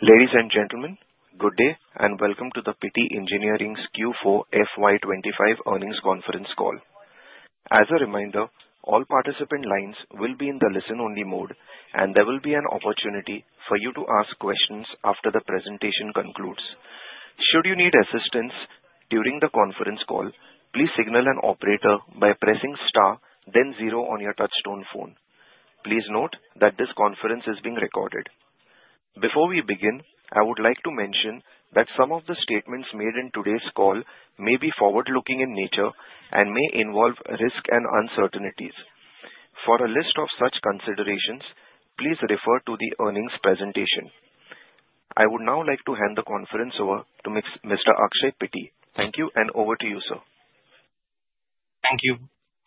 Ladies and gentlemen, good day and welcome to the Pitti Engineering's Q4 FY25 earnings conference call. As a reminder, all participant lines will be in the listen-only mode, and there will be an opportunity for you to ask questions after the presentation concludes. Should you need assistance during the conference call, please signal an operator by pressing star, then zero on your touch-tone phone. Please note that this conference is being recorded. Before we begin, I would like to mention that some of the statements made in today's call may be forward-looking in nature and may involve risk and uncertainties. For a list of such considerations, please refer to the earnings presentation. I would now like to hand the conference over to Mr. Akshay Pitti. Thank you, and over to you, sir. Thank you.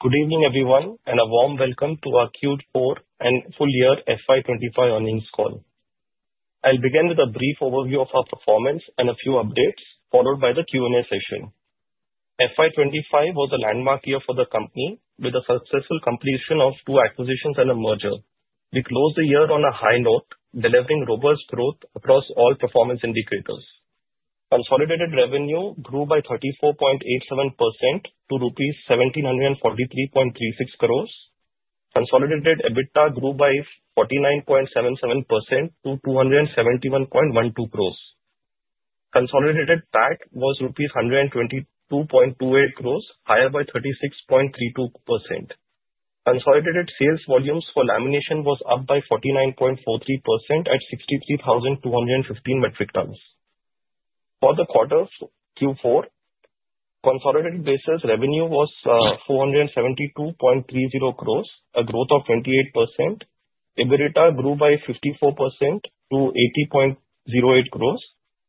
Good evening, everyone, and a warm welcome to our Q4 and full-year FY25 earnings call. I'll begin with a brief overview of our performance and a few updates, followed by the Q&A session. FY25 was a landmark year for the company, with the successful completion of two acquisitions and a merger. We closed the year on a high note, delivering robust growth across all performance indicators. Consolidated revenue grew by 34.87% to rupees 1,743.36 crores. Consolidated EBITDA grew by 49.77% to 271.12 crores. Consolidated PAT was rupees 122.28 crores, higher by 36.32%. Consolidated sales volumes for lamination were up by 49.43% at 63,215 metric tons. For the quarter of Q4, consolidated basis revenue was 472.30 crores, a growth of 28%. EBITDA grew by 54% to 80.08 crores.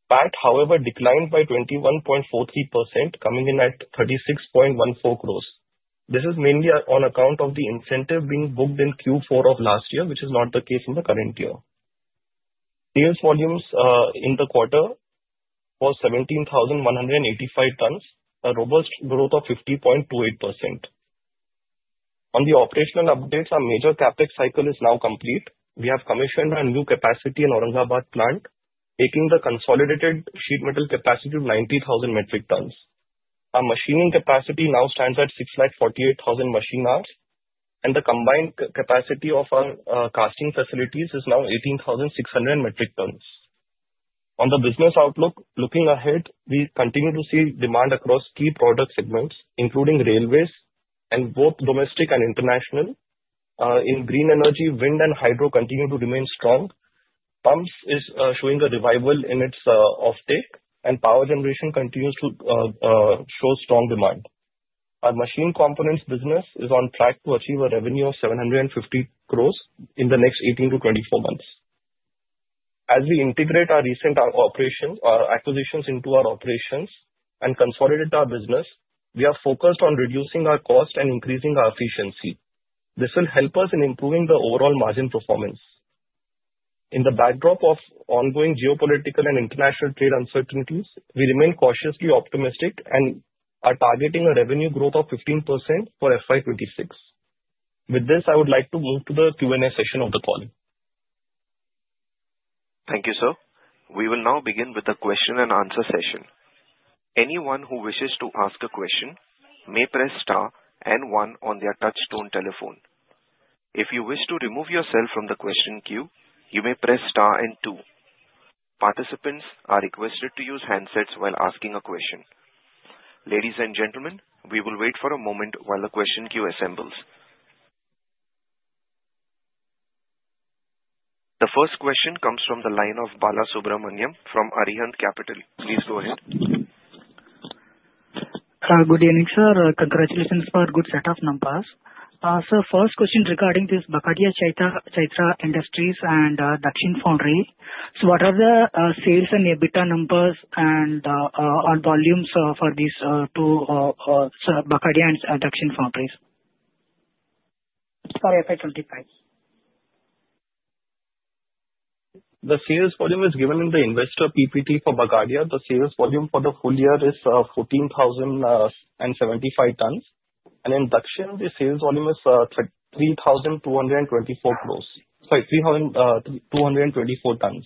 PAT, however, declined by 21.43%, coming in at 36.14 crores. This is mainly on account of the incentive being booked in Q4 of last year, which is not the case in the current year. Sales volumes in the quarter were 17,185 tons, a robust growth of 50.28%. On the operational updates, our major CapEx cycle is now complete. We have commissioned a new capacity in Aurangabad plant, taking the consolidated sheet metal capacity of 90,000 metric tons. Our machining capacity now stands at 648,000 machine hours, and the combined capacity of our casting facilities is now 18,600 metric tons. On the business outlook, looking ahead, we continue to see demand across key product segments, including railways and both domestic and international. In green energy, wind and hydro continue to remain strong. Pumps are showing a revival in its offtake, and power generation continues to show strong demand. Our machine components business is on track to achieve a revenue of 750 crores in the next 18 to 24 months. As we integrate our recent acquisitions into our operations and consolidate our business, we are focused on reducing our cost and increasing our efficiency. This will help us in improving the overall margin performance. In the backdrop of ongoing geopolitical and international trade uncertainties, we remain cautiously optimistic and are targeting a revenue growth of 15% for FY26. With this, I would like to move to the Q&A session of the call. Thank you, sir. We will now begin with the question and answer session. Anyone who wishes to ask a question may press star and one on their touch-tone telephone. If you wish to remove yourself from the question queue, you may press star and two. Participants are requested to use handsets while asking a question. Ladies and gentlemen, we will wait for a moment while the question queue assembles. The first question comes from the line of Bala Subramanian from Arihant Capital. Please go ahead. Good evening, sir. Congratulations for a good set of numbers. Sir, first question regarding this Bagadia Chaitra Industries and Dakshin Foundry. So, what are the sales and EBITDA numbers and volumes for these two Bagadia and Dakshin Foundries? Sorry, FY25. The sales volume is given in the investor PPT for Bagadia Chaitra. The sales volume for the full year is 14,075 tons. In Dakshin, the sales volume is 3,224 crores. Sorry, 3,224 tons.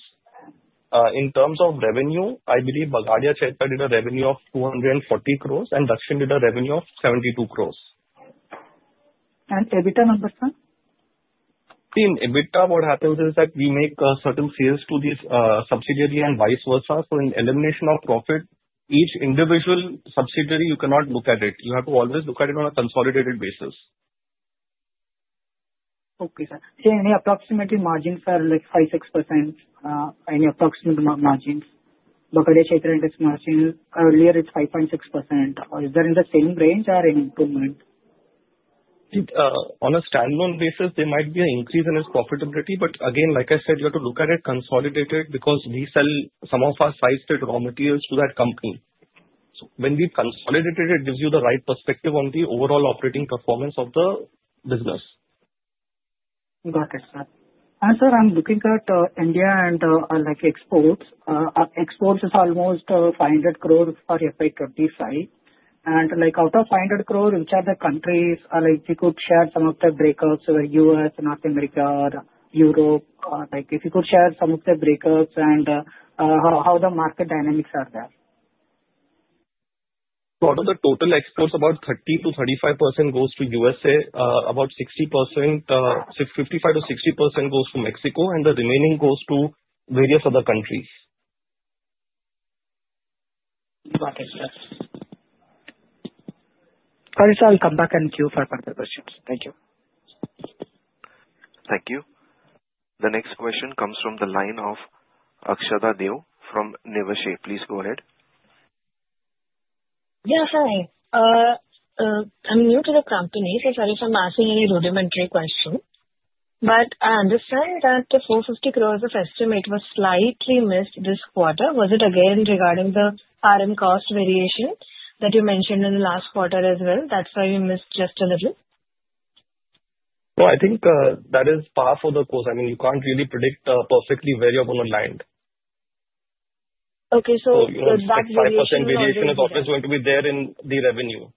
In terms of revenue, I believe Bagadia Chaitra did a revenue of 240 crores, and Dakshin did a revenue of 72 crores. And EBITDA numbers, sir? In EBITDA, what happens is that we make certain sales to these subsidiaries and vice versa. So, in elimination of profit, each individual subsidiary, you cannot look at it. You have to always look at it on a consolidated basis. Okay, sir. Sir, any approximate margins are like 5%, 6%? Any approximate margins? Bagadia Chaitra Industries margin earlier is 5.6%. Is that in the same range or an improvement? On a standalone basis, there might be an increase in its profitability. But again, like I said, you have to look at it consolidated because we sell some of our sized raw materials to that company. So, when we consolidate it, it gives you the right perspective on the overall operating performance of the business. Got it, sir, and sir, I'm looking at India and exports. Exports is almost 500 crores for FY25. And out of 500 crores, which are the countries? If you could share some of the breakups, US, North America, Europe, if you could share some of the breakups and how the market dynamics are there. Out of the total exports, about 30%-35% goes to USA, about 55%-60% goes to Mexico, and the remaining goes to various other countries. Got it, sir. Sorry, sir. I'll come back and queue for further questions. Thank you. Thank you. The next question comes from the line of Akshada Deo from Niveshaay. Please go ahead. Yeah, hi. I'm new to the company. So sorry if I'm asking any rudimentary question. But I understand that the 450 crore estimate was slightly missed this quarter. Was it again regarding the RM cost variation that you mentioned in the last quarter as well? That's why we missed just a little. I think that is par for the course. I mean, you can't really predict perfectly where you're going to land. Okay, so that variation is not. So you understand that 5% variation is always going to be there in the revenue.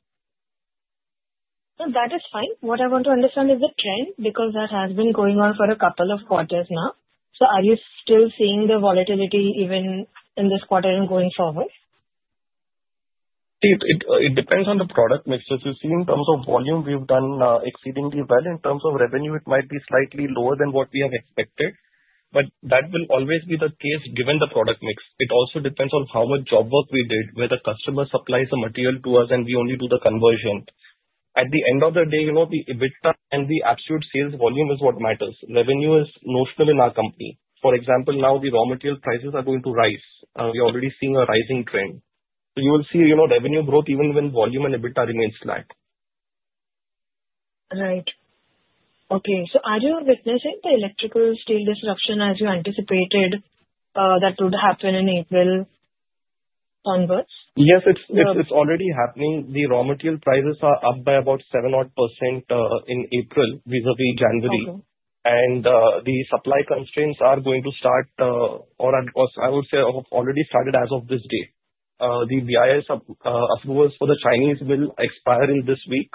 No, that is fine. What I want to understand is the trend because that has been going on for a couple of quarters now. So, are you still seeing the volatility even in this quarter and going forward? It depends on the product mix. As you see, in terms of volume, we've done exceedingly well. In terms of revenue, it might be slightly lower than what we have expected. But that will always be the case given the product mix. It also depends on how much job work we did, where the customer supplies the material to us, and we only do the conversion. At the end of the day, the EBITDA and the absolute sales volume is what matters. Revenue is notional in our company. For example, now the raw material prices are going to rise. We are already seeing a rising trend. So, you will see revenue growth even when volume and EBITDA remain flat. Right. Okay. So, are you witnessing the electrical steel disruption as you anticipated that would happen in April onwards? Yes, it's already happening. The raw material prices are up by about 7% in April vis-à-vis January. And the supply constraints are going to start, or I would say have already started as of this day. The BIS approvals for the Chinese will expire in this week.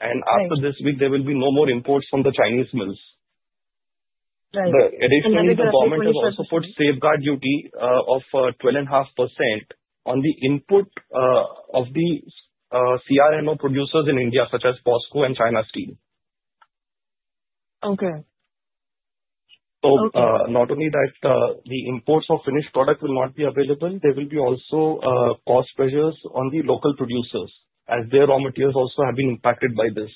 And after this week, there will be no more imports from the Chinese mills. Right. Additionally, the government has also put safeguard duty of 12.5% on the input of the CRNO producers in India, such as POSCO and China Steel. Okay. So, not only that, the imports of finished product will not be available. There will be also cost pressures on the local producers as their raw materials also have been impacted by this.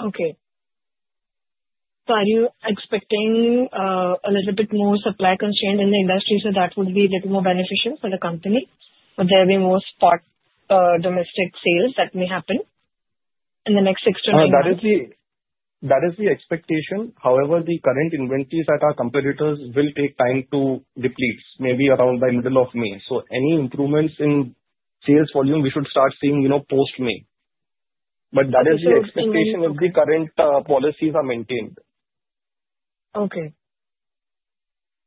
Okay, so are you expecting a little bit more supply constraint in the industry so that would be a little more beneficial for the company? Would there be more spot domestic sales that may happen in the next six to nine months? That is the expectation. However, the current inventories at our competitors will take time to deplete, maybe around by middle of May. So, any improvements in sales volume, we should start seeing post-May. But that is the expectation if the current policies are maintained. Okay.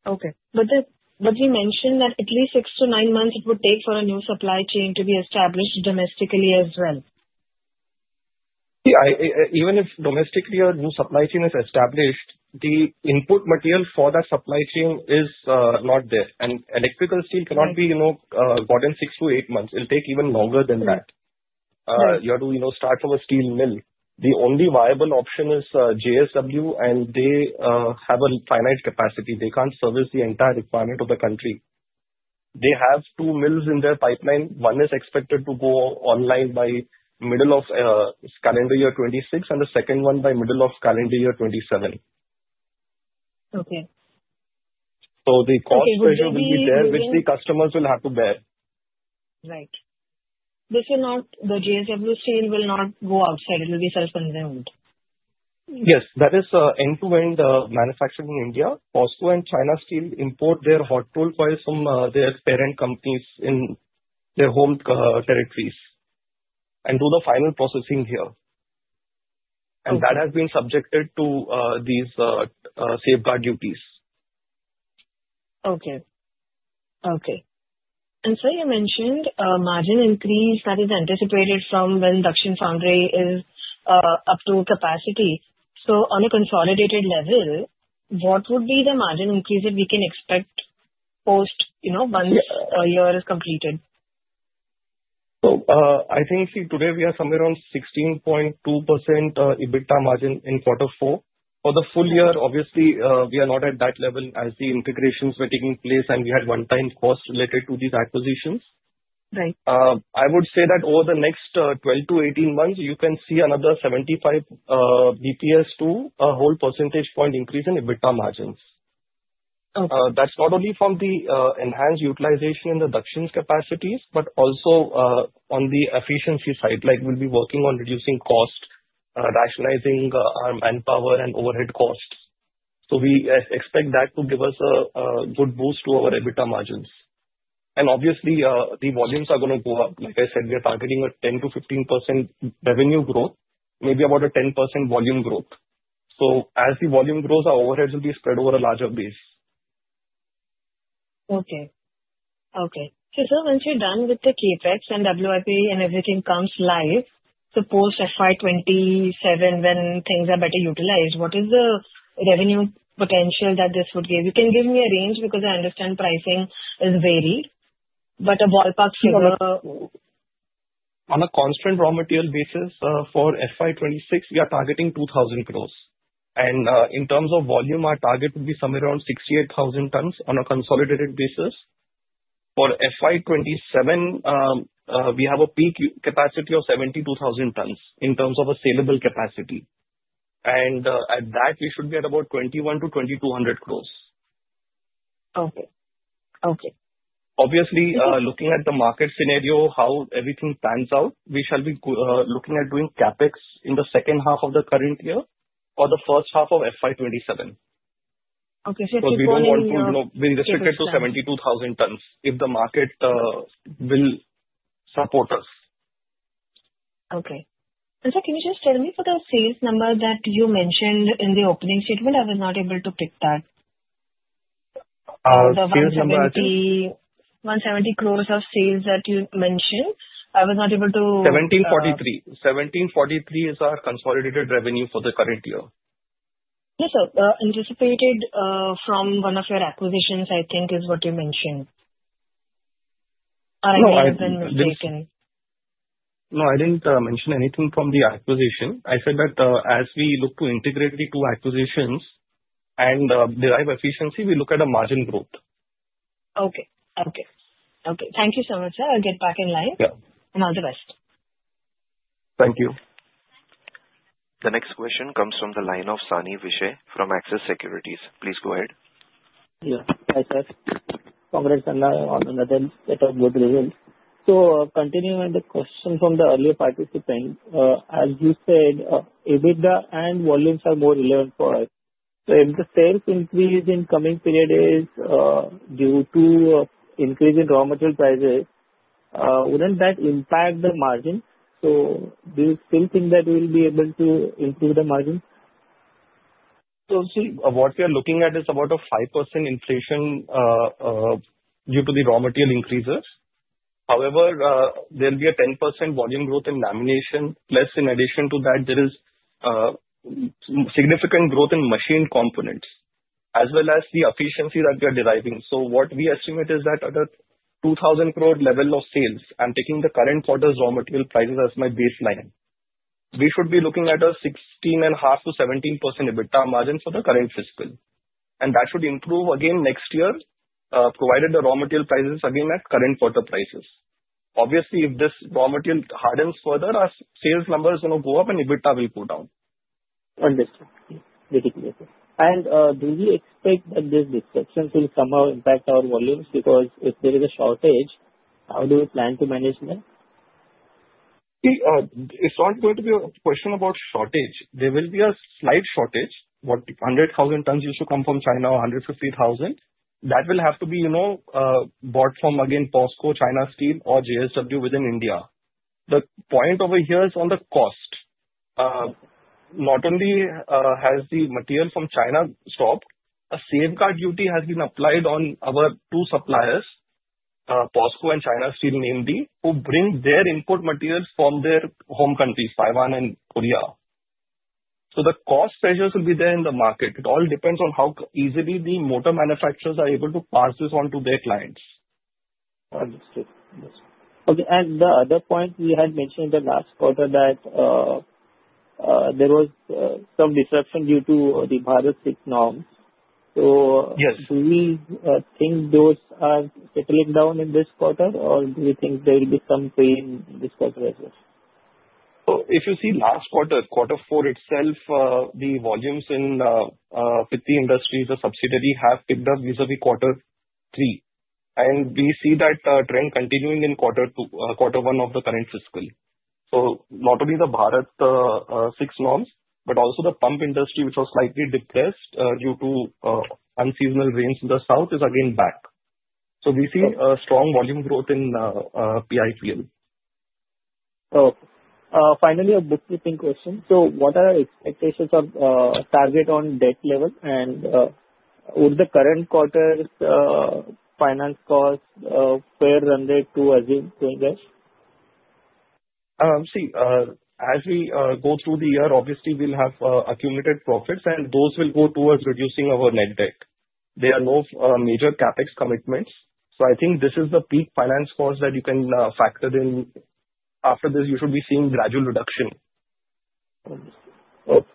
Okay. But you mentioned that at least six-to-nine months it would take for a new supply chain to be established domestically as well. See, even if domestically a new supply chain is established, the input material for that supply chain is not there. And electrical steel cannot be bought in six to eight months. It'll take even longer than that. You have to start from a steel mill. The only viable option is JSW, and they have a finite capacity. They can't service the entire requirement of the country. They have two mills in their pipeline. One is expected to go online by middle of calendar year 2026, and the second one by middle of calendar year 2027. Okay. The cost pressure will be there, which the customers will have to bear. Right. The JSW Steel will not go outside. It will be self-contained. Yes. That is end-to-end manufacturing in India. POSCO and China Steel import their hot-rolled coils from their parent companies in their home territories and do the final processing here. And that has been subjected to these safeguard duties. And sir, you mentioned margin increase that is anticipated from when Dakshin Foundry is up to capacity. So, on a consolidated level, what would be the margin increase that we can expect post once a year is completed? I think today we are somewhere around 16.2% EBITDA margin in quarter four. For the full year, obviously, we are not at that level as the integrations were taking place, and we had one-time cost related to these acquisitions. Right. I would say that over the next 12 to 18 months, you can see another 75 basis points to a whole percentage point increase in EBITDA margins. Okay. That's not only from the enhanced utilization in the Dakshin's capacities, but also on the efficiency side. We'll be working on reducing cost, rationalizing our manpower and overhead costs. So, we expect that to give us a good boost to our EBITDA margins. And obviously, the volumes are going to go up. Like I said, we are targeting a 10%-15% revenue growth, maybe about a 10% volume growth. So, as the volume grows, our overheads will be spread over a larger base. Okay. So, sir, once you're done with the CapEx and WIP and everything comes live, suppose FY27, when things are better utilized, what is the revenue potential that this would give? You can give me a range because I understand pricing is varied. But a ballpark figure. On a constant raw material basis, for FY26, we are targeting 2,000 crores. And in terms of volume, our target would be somewhere around 68,000 tons on a consolidated basis. For FY27, we have a peak capacity of 72,000 tons in terms of a saleable capacity. And at that, we should be at about 21 to 22 hundred crores. Okay. Okay. Obviously, looking at the market scenario, how everything pans out, we shall be looking at doing CapEx in the second half of the current year or the first half of FY27. Okay. So, if you don't want to. Because we don't want to be restricted to 72,000 tons if the market will support us. Okay. And sir, can you just tell me for the sales number that you mentioned in the opening statement? I was not able to pick that. Sales number, I think. 170 crores of sales that you mentioned. I was not able to. 1743 is our consolidated revenue for the current year. Yes, sir. Anticipated from one of your acquisitions, I think, is what you mentioned. Or I may have been mistaken. No, I didn't mention anything from the acquisition. I said that as we look to integrate the two acquisitions and derive efficiency, we look at a margin growth. Okay. Thank you so much, sir. I'll get back in line. Yeah. All the best. Thank you. The next question comes from the line of Sani Vishe from Axis Securities. Please go ahead. Yeah. Hi, sir. Congrats on the set of good results. So, continuing on the question from the earlier participant, as you said, EBITDA and volumes are more relevant for us. So, if the sales increase in the coming period is due to increase in raw material prices, wouldn't that impact the margin? So, do you still think that we'll be able to improve the margin? So, see, what we are looking at is about a 5% inflation due to the raw material increases. However, there'll be a 10% volume growth in lamination. Plus, in addition to that, there is significant growth in machine components, as well as the efficiency that we are deriving. So, what we estimate is that at an 2,000 crore level of sales, I'm taking the current quarter's raw material prices as my baseline. We should be looking at a 16.5%-17% EBITDA margin for the current fiscal. And that should improve again next year, provided the raw material prices are again at current quarter prices. Obviously, if this raw material hardens further, our sales numbers are going to go up and EBITDA will go down. Understood. Very clear. And do we expect that this disruption will somehow impact our volumes? Because if there is a shortage, how do we plan to manage them? See, it's not going to be a question about shortage. There will be a slight shortage. 100,000 tons used to come from China or 150,000. That will have to be bought from, again, POSCO, China Steel, or JSW within India. The point over here is on the cost. Not only has the material from China stopped, a safeguard duty has been applied on our two suppliers, POSCO and China Steel, namely, who bring their input materials from their home countries, Taiwan and Korea. So, the cost pressures will be there in the market. It all depends on how easily the motor manufacturers are able to pass this on to their clients. Understood. Understood. Okay. The other point, you had mentioned the last quarter that there was some disruption due to the BS6 norms. So. Yes. Do we think those are settling down in this quarter, or do we think there will be some pain this quarter as well? If you see last quarter, quarter four itself, the volumes in Pitti Engineering or subsidiary have picked up vis-à-vis quarter three. We see that trend continuing in quarter one of the current fiscal. Not only the BS6 norms, but also the pump industry, which was slightly depressed due to unseasonal rains in the south, is again back. We see strong volume growth in PIPM. Okay. Finally, a bookkeeping question. So, what are our expectations of target on debt level? And would the current quarter's finance costs fare render to as you're doing this? See, as we go through the year, obviously, we'll have accumulated profits, and those will go towards reducing our Net Debt. There are no major CapEx commitments. So, I think this is the peak finance cost that you can factor in. After this, you should be seeing gradual reduction. Okay.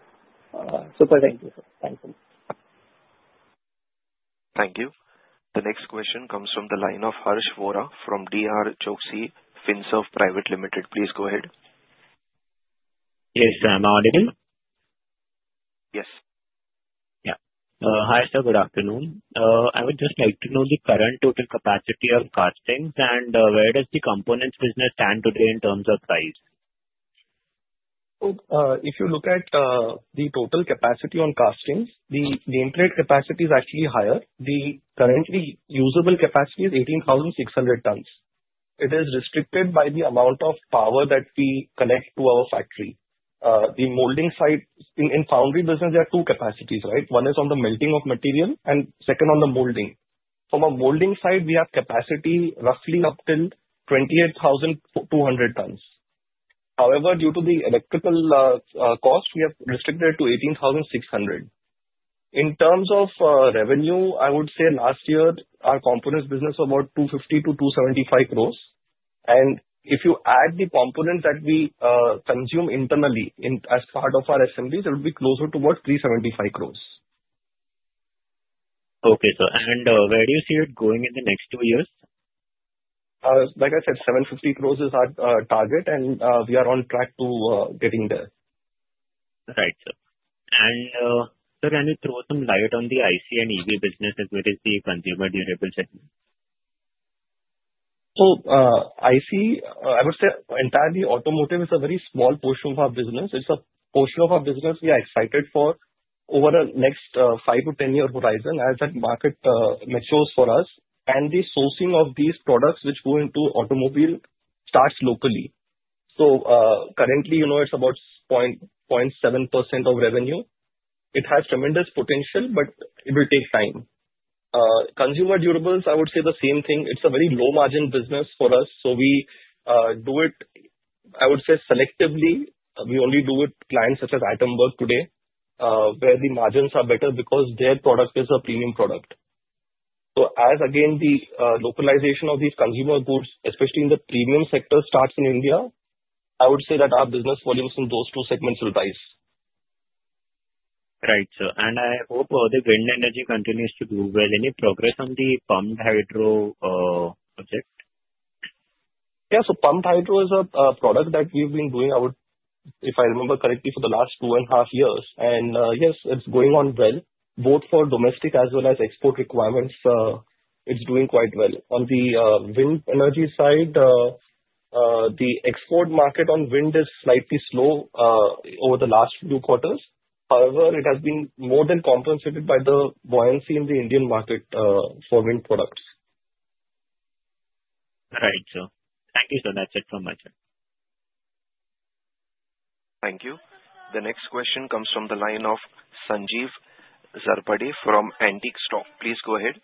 Super. Thank you, sir. Thank you. Thank you. The next question comes from the line of Harsh Vora from DRChoksey FinServ Private Limited. Please go ahead. Yes, sir. Am I audible? Yes. Yeah. Hi, sir. Good afternoon. I would just like to know the current total capacity on castings and where does the components business stand today in terms of price? So, if you look at the total capacity on castings, the name plate capacity is actually higher. The currently usable capacity is 18,600 tons. It is restricted by the amount of power that we connect to our factory. The molding side in foundry business, there are two capacities, right? One is on the melting of material and second on the molding. From a molding side, we have capacity roughly up to 28,200 tons. However, due to the electrical cost, we have restricted it to 18,600. In terms of revenue, I would say last year, our components business was about 250-275 crores. And if you add the components that we consume internally as part of our assemblies, it would be closer to about 375 crores. Okay, sir, and where do you see it going in the next two years? Like I said, 750 crores is our target, and we are on track to getting there. Right, sir. And, sir, can you throw some light on the IC and EV business, as well as the consumer durable segment? So, IC, I would say entirely automotive is a very small portion of our business. It's a portion of our business we are excited for over the next five to 10-year horizon as that market matures for us. And the sourcing of these products which go into automobile starts locally. So, currently, it's about 0.7% of revenue. It has tremendous potential, but it will take time. Consumer durables, I would say the same thing. It's a very low-margin business for us. So, we do it, I would say, selectively. We only do it with clients such as Atomberg today, where the margins are better because their product is a premium product. So, as again, the localization of these consumer goods, especially in the premium sector, starts in India, I would say that our business volumes in those two segments will rise. Right, sir. And I hope the wind energy continues to grow. Well, any progress on the pumped hydro project? Yeah. So, pump hydro is a product that we've been doing, if I remember correctly, for the last two and a half years. And yes, it's going on well, both for domestic as well as export requirements. It's doing quite well. On the wind energy side, the export market on wind is slightly slow over the last few quarters. However, it has been more than compensated by the buoyancy in the Indian market for wind products. Right, sir. Thank you, sir. That's it from my side. Thank you. The next question comes from the line of Sanjeev Zarbade from Antique Stock Broking. Please go ahead.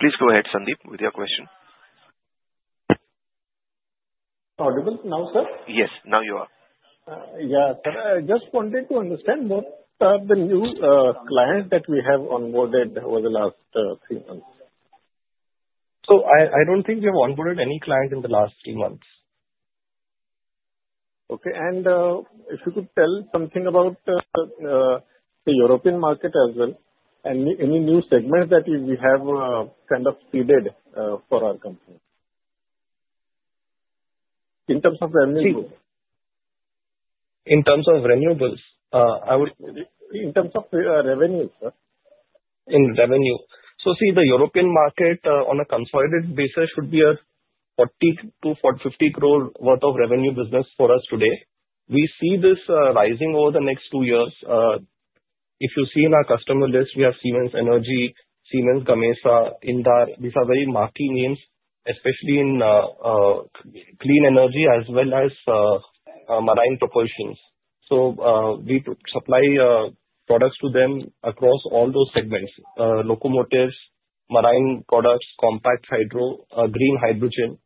Please go ahead, Sanjeev, with your question. Audible now, sir? Yes. Now you are. Yeah, sir. I just wanted to understand what are the new clients that we have onboarded over the last three months? I don't think we have onboarded any clients in the last three months. Okay, and if you could tell something about the European market as well, and any new segments that we have kind of seeded for our company in terms of revenue growth? In terms of revenues, I would. In terms of revenues, sir? In revenue. So, see, the European market on a consolidated basis should be a 40-50 crore worth of revenue business for us today. We see this rising over the next two years. If you see in our customer list, we have Siemens Energy, Siemens Gamesa, Indar. These are very marquee names, especially in clean energy as well as marine propulsions. So, we supply products to them across all those segments: locomotives, marine products, compact hydro, green hydrogen.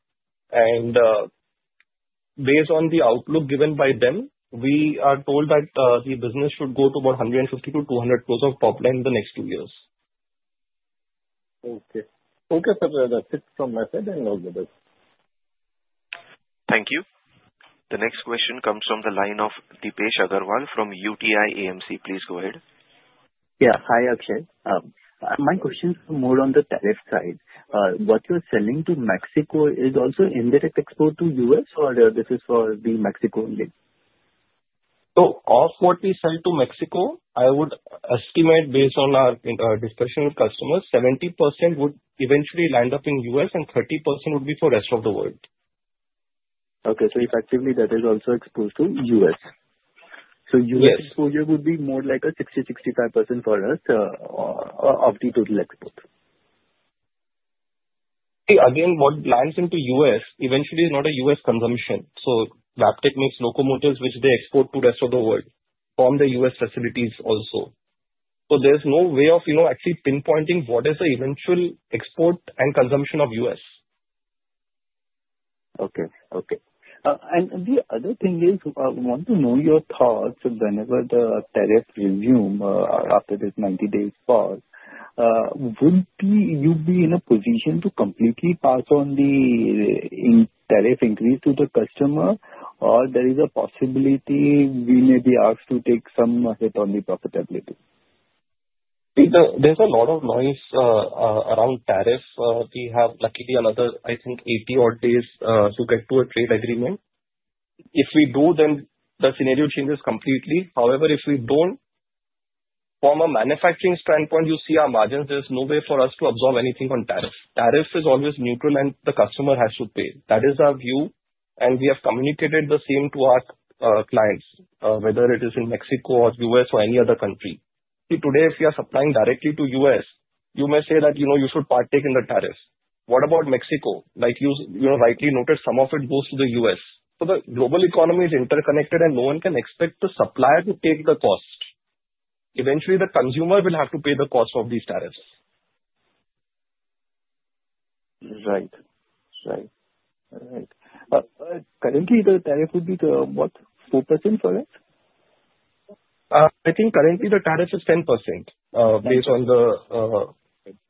And based on the outlook given by them, we are told that the business should go to about 150-200 crores of top line in the next two years. Okay. Okay, sir. That's it from my side. I'm logged out. Thank you. The next question comes from the line of Deepesh Agarwal from UTI AMC. Please go ahead. Yeah. Hi, Akshay. My question is more on the tariff side. What you're selling to Mexico is also indirect export to the U.S., or this is for the Mexico only? Of what we sell to Mexico, I would estimate based on our discussion with customers, 70% would eventually land up in the US, and 30% would be for the rest of the world. Okay. So, effectively, that is also exposed to the U.S. So, U.S. exposure would be more like a 60%-65% for us of the total export. See, again, what lands into the U.S. eventually is not a U.S. consumption. So, Wabtec makes locomotives, which they export to the rest of the world from the U.S. facilities also. So, there's no way of actually pinpointing what is the eventual export and consumption of the U.S. Okay. Okay. And the other thing is, I want to know your thoughts whenever the tariffs resume after this 90-day pause. Would you be in a position to completely pass on the tariff increase to the customer, or there is a possibility we may be asked to take some hit on the profitability? See, there's a lot of noise around tariffs. We have, luckily, another, I think, 80 odd days to get to a trade agreement. If we do, then the scenario changes completely. However, if we don't, from a manufacturing standpoint, you see our margins, there's no way for us to absorb anything on tariffs. Tariff is always neutral, and the customer has to pay. That is our view, and we have communicated the same to our clients, whether it is in Mexico or the U.S. or any other country. See, today, if you are supplying directly to the U.S., you may say that you should partake in the tariffs. What about Mexico? Like you rightly noted, some of it goes to the U.S. So, the global economy is interconnected, and no one can expect the supplier to take the cost. Eventually, the consumer will have to pay the cost of these tariffs. All right. Currently, the tariff would be about 4%, correct? I think currently the tariff is 10% based on the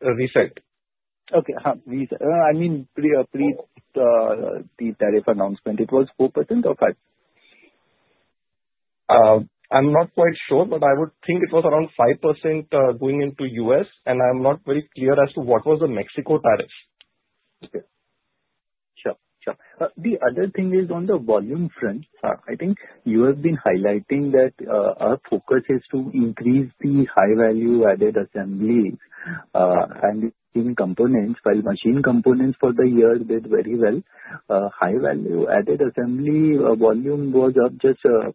reset. Okay. I mean, pre-tariff announcement, it was 4% or 5%? I'm not quite sure, but I would think it was around 5% going into the US, and I'm not very clear as to what was the Mexico tariff. Okay. Sure. Sure. The other thing is on the volume front. I think you have been highlighting that our focus is to increase the high-value-added assembly and machine components. While machine components for the year did very well, high-value-added assembly volume was up just 3%,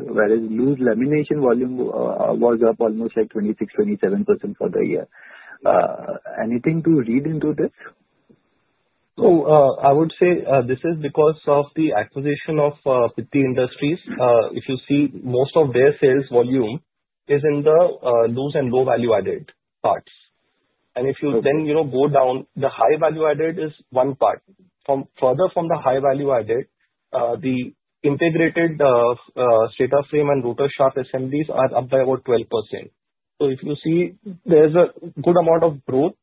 whereas lamination volume was up almost like 26%-27% for the year. Anything to read into this? So, I would say this is because of the acquisition of Pitti Engineering. If you see, most of their sales volume is in the low and low-value-added parts. And if you then go down, the high-value-added is one part. Further from the high-value-added, the integrated stator frame and rotor shaft assemblies are up by about 12%. So, if you see, there's a good amount of growth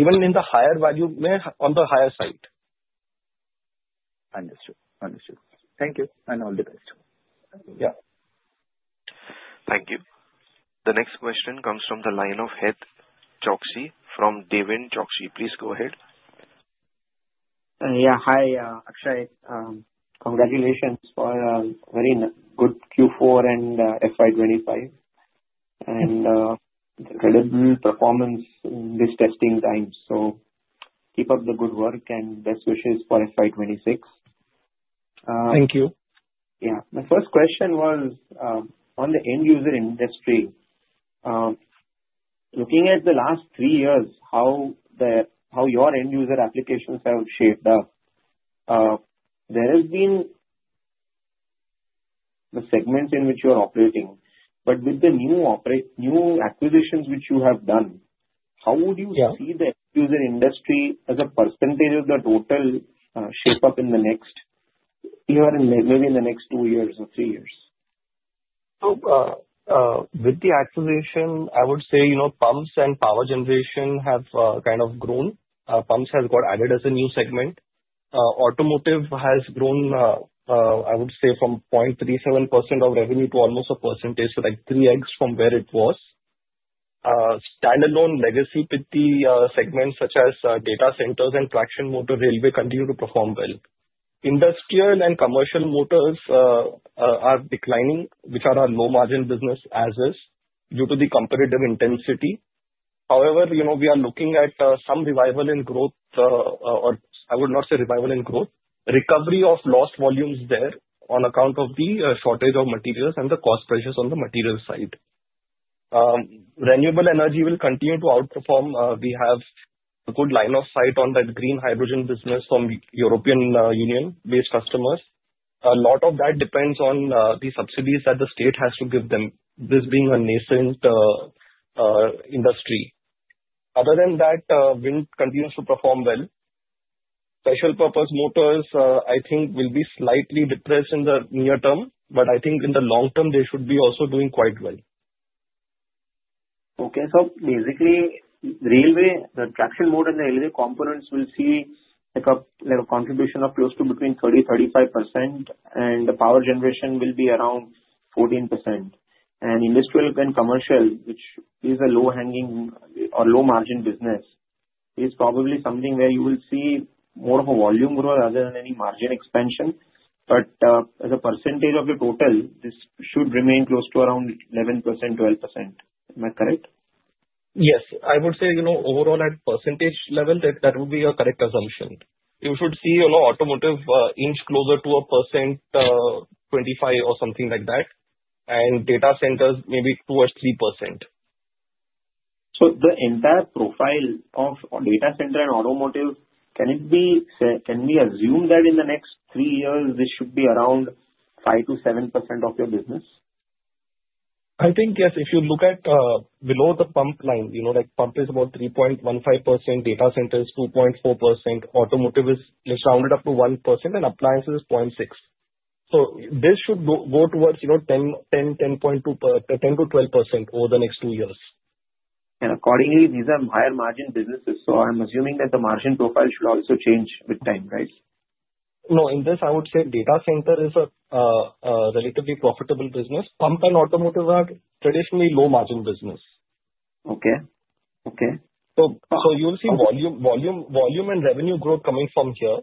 even in the higher value on the higher side. Understood. Understood. Thank you. And all the best. Yeah. Thank you. The next question comes from the line of Het Choksey from DRChoksey FinServ. Please go ahead. Yeah. Hi, Akshay. Congratulations for a very good Q4 and FY25 and incredible performance in this testing time. So, keep up the good work and best wishes for FY26. Thank you. Yeah. My first question was on the end-user industry. Looking at the last three years, how your end-user applications have shaped up in the segments in which you're operating. But with the new acquisitions which you have done, how would you see the end-user industry as a percentage of the total shape up in the next, maybe, two or three years? With the acquisition, I would say pumps and power generation have kind of grown. Pumps have got added as a new segment. Automotive has grown, I would say, from 0.37% of revenue to almost a percentage, so like three X from where it was. Stand-alone legacy Pitti segments such as data centers and traction motor railway continue to perform well. Industrial and commercial motors are declining, which are our low-margin business as is due to the competitive intensity. However, we are looking at some revival in growth, or I would not say revival in growth, recovery of lost volumes there on account of the shortage of materials and the cost pressures on the materials side. Renewable energy will continue to outperform. We have a good line of sight on that green hydrogen business from European Union-based customers. A lot of that depends on the subsidies that the state has to give them, this being a nascent industry. Other than that, wind continues to perform well. Special-purpose motors, I think, will be slightly depressed in the near term, but I think in the long term, they should be also doing quite well. Okay. So, basically, traction motor and the railway components will see a contribution of close to between 30-35%, and the power generation will be around 14%. And industrial and commercial, which is a low-hanging or low-margin business, is probably something where you will see more of a volume growth rather than any margin expansion. But as a percentage of the total, this should remain close to around 11%-12%. Am I correct? Yes. I would say overall, at percentage level, that would be a correct assumption. You should see automotive inch closer to 25%, or something like that, and data centers maybe 2% or 3%. So, the entire profile of data center and automotive, can we assume that in the next three years, this should be around 5%-7% of your business? I think yes. If you look at below the pump line, pump is about 3.15%, data center is 2.4%, automotive is rounded up to 1%, and appliances is 0.6%. So, this should go towards 10%-12% over the next two years. And accordingly, these are higher-margin businesses. So, I'm assuming that the margin profile should also change with time, right? No. In this, I would say data center is a relatively profitable business. Pump and automotive are traditionally low-margin business. Okay. Okay. So, you'll see volume and revenue growth coming from here.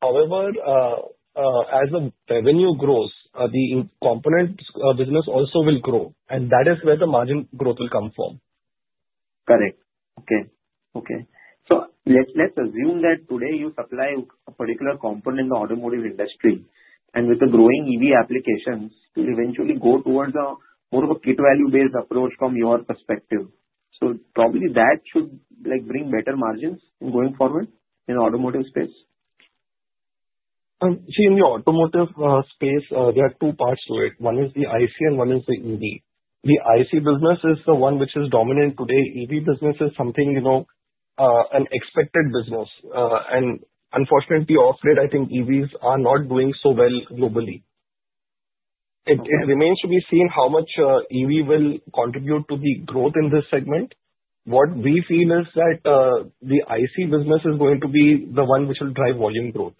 However, as the revenue grows, the component business also will grow, and that is where the margin growth will come from. Correct. Okay. So, let's assume that today you supply a particular component in the automotive industry, and with the growing EV applications, you eventually go towards more of a kit-value-based approach from your perspective. So, probably that should bring better margins going forward in the automotive space? See, in the automotive space, there are two parts to it. One is the IC, and one is the EV. The IC business is the one which is dominant today. EV business is something unexpected business. And unfortunately, off-grid, I think EVs are not doing so well globally. It remains to be seen how much EV will contribute to the growth in this segment. What we feel is that the IC business is going to be the one which will drive volume growth.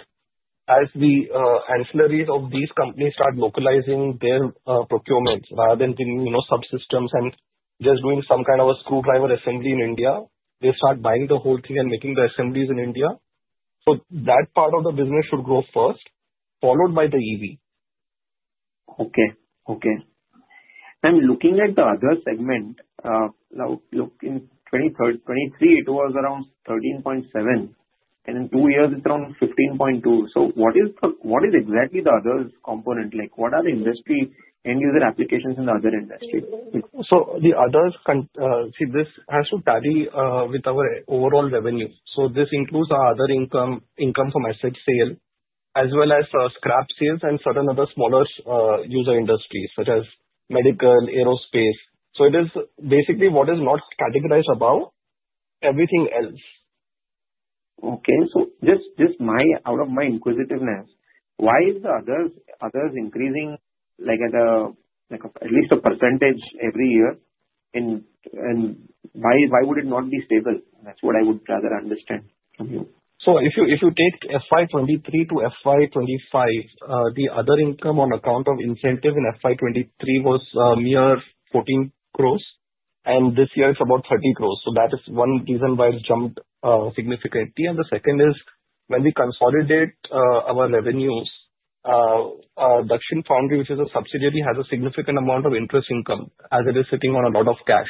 As the ancillaries of these companies start localizing their procurements rather than doing subsystems and just doing some kind of a screwdriver assembly in India, they start buying the whole thing and making the assemblies in India. So, that part of the business should grow first, followed by the EV. Looking at the other segment, now looking 23, it was around 13.7, and in two years, it's around 15.2. So, what is exactly the other component? What are the industry end-user applications in the other industry? So, the others, see, this has to tally with our overall revenue. So, this includes our other income from asset sale as well as scrap sales and certain other smaller user industries such as medical, aerospace. So, it is basically what is not categorized above everything else. Okay. So, just out of my inquisitiveness, why is the others increasing at least a percentage every year? And why would it not be stable? That's what I would rather understand from you. So, if you take FY23 to FY25, the other income on account of incentive in FY23 was mere 14 crores, and this year it's about 30 crores. So, that is one reason why it's jumped significantly. And the second is when we consolidate our revenues, Dakshin Foundry, which is a subsidiary, has a significant amount of interest income as it is sitting on a lot of cash.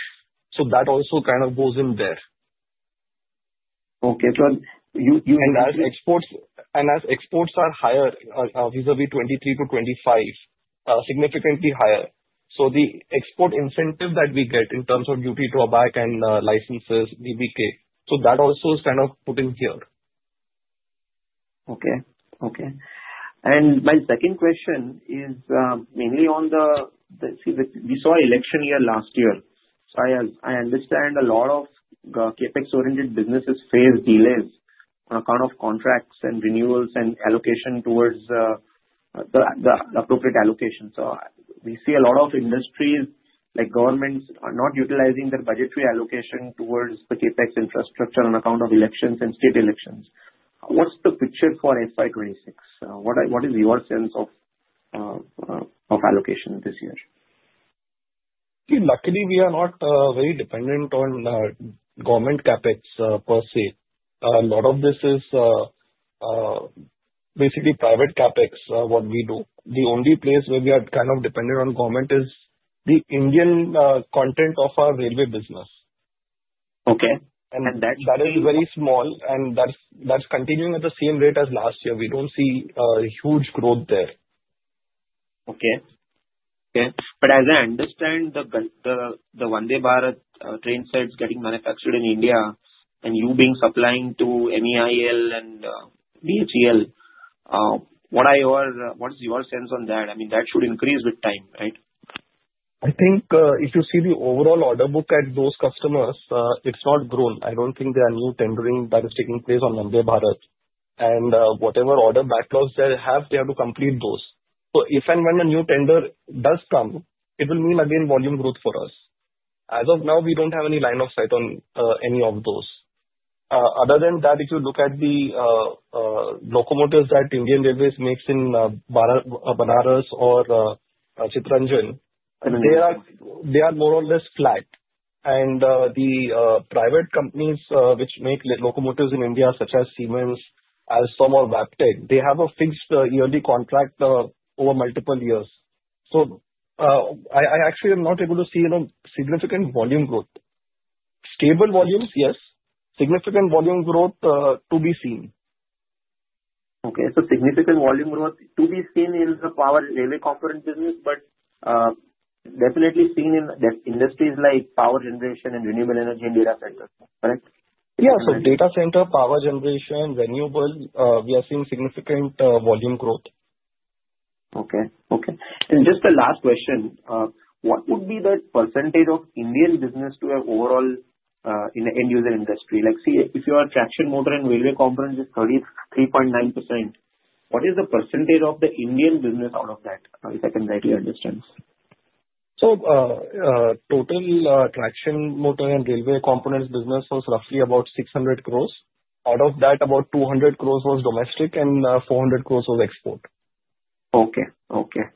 So, that also kind of goes in there. Okay. So, you and As exports are higher vis-à-vis 2023 to 2025, significantly higher. The export incentive that we get in terms of duty drawback and licenses, DBK, so that also is kind of put in here. Okay. Okay. And my second question is mainly on the capex. We saw election year last year. So, I understand a lot of CapEx-oriented businesses face delays on account of contracts and renewals and allocation towards the appropriate allocation. So, we see a lot of industries like governments are not utilizing their budgetary allocation towards the CapEx infrastructure on account of elections and state elections. What's the picture for FY26? What is your sense of allocation this year? See, luckily, we are not very dependent on government CapEx per se. A lot of this is basically private CapEx, what we do. The only place where we are kind of dependent on government is the Indian content of our railway business. Okay. And that's. That is very small, and that's continuing at the same rate as last year. We don't see huge growth there. Okay. Okay, but as I understand, the Vande Bharat train sets getting manufactured in India and you being supplying to MEIL and BHEL, what is your sense on that? I mean, that should increase with time, right? I think if you see the overall order book at those customers, it's not grown. I don't think there are new tendering that is taking place on Vande Bharat, and whatever order backlogs they have, they have to complete those, so if and when a new tender does come, it will mean again volume growth for us. As of now, we don't have any line of sight on any of those. Other than that, if you look at the locomotives that Indian Railways makes in Banaras or Chittaranjan, they are more or less flat, and the private companies which make locomotives in India such as Siemens, Alstom, or Wabtec, they have a fixed yearly contract over multiple years, so I actually am not able to see significant volume growth. Stable volumes, yes. Significant volume growth to be seen. Okay. So, significant volume growth to be seen in the railway component business, but definitely seen in industries like power generation and renewable energy and data centers, correct? Yeah. So, data center, power generation, renewables, we are seeing significant volume growth. Okay. Okay. And just the last question, what would be the percentage of Indian business to have overall in the end-user industry? See, if your traction motor and railway component is 33.9%, what is the percentage of the Indian business out of that, if I can rightly understand? So, total traction motor and railway components business was roughly about 600 crores. Out of that, about 200 crores was domestic and 400 crores was export. Okay.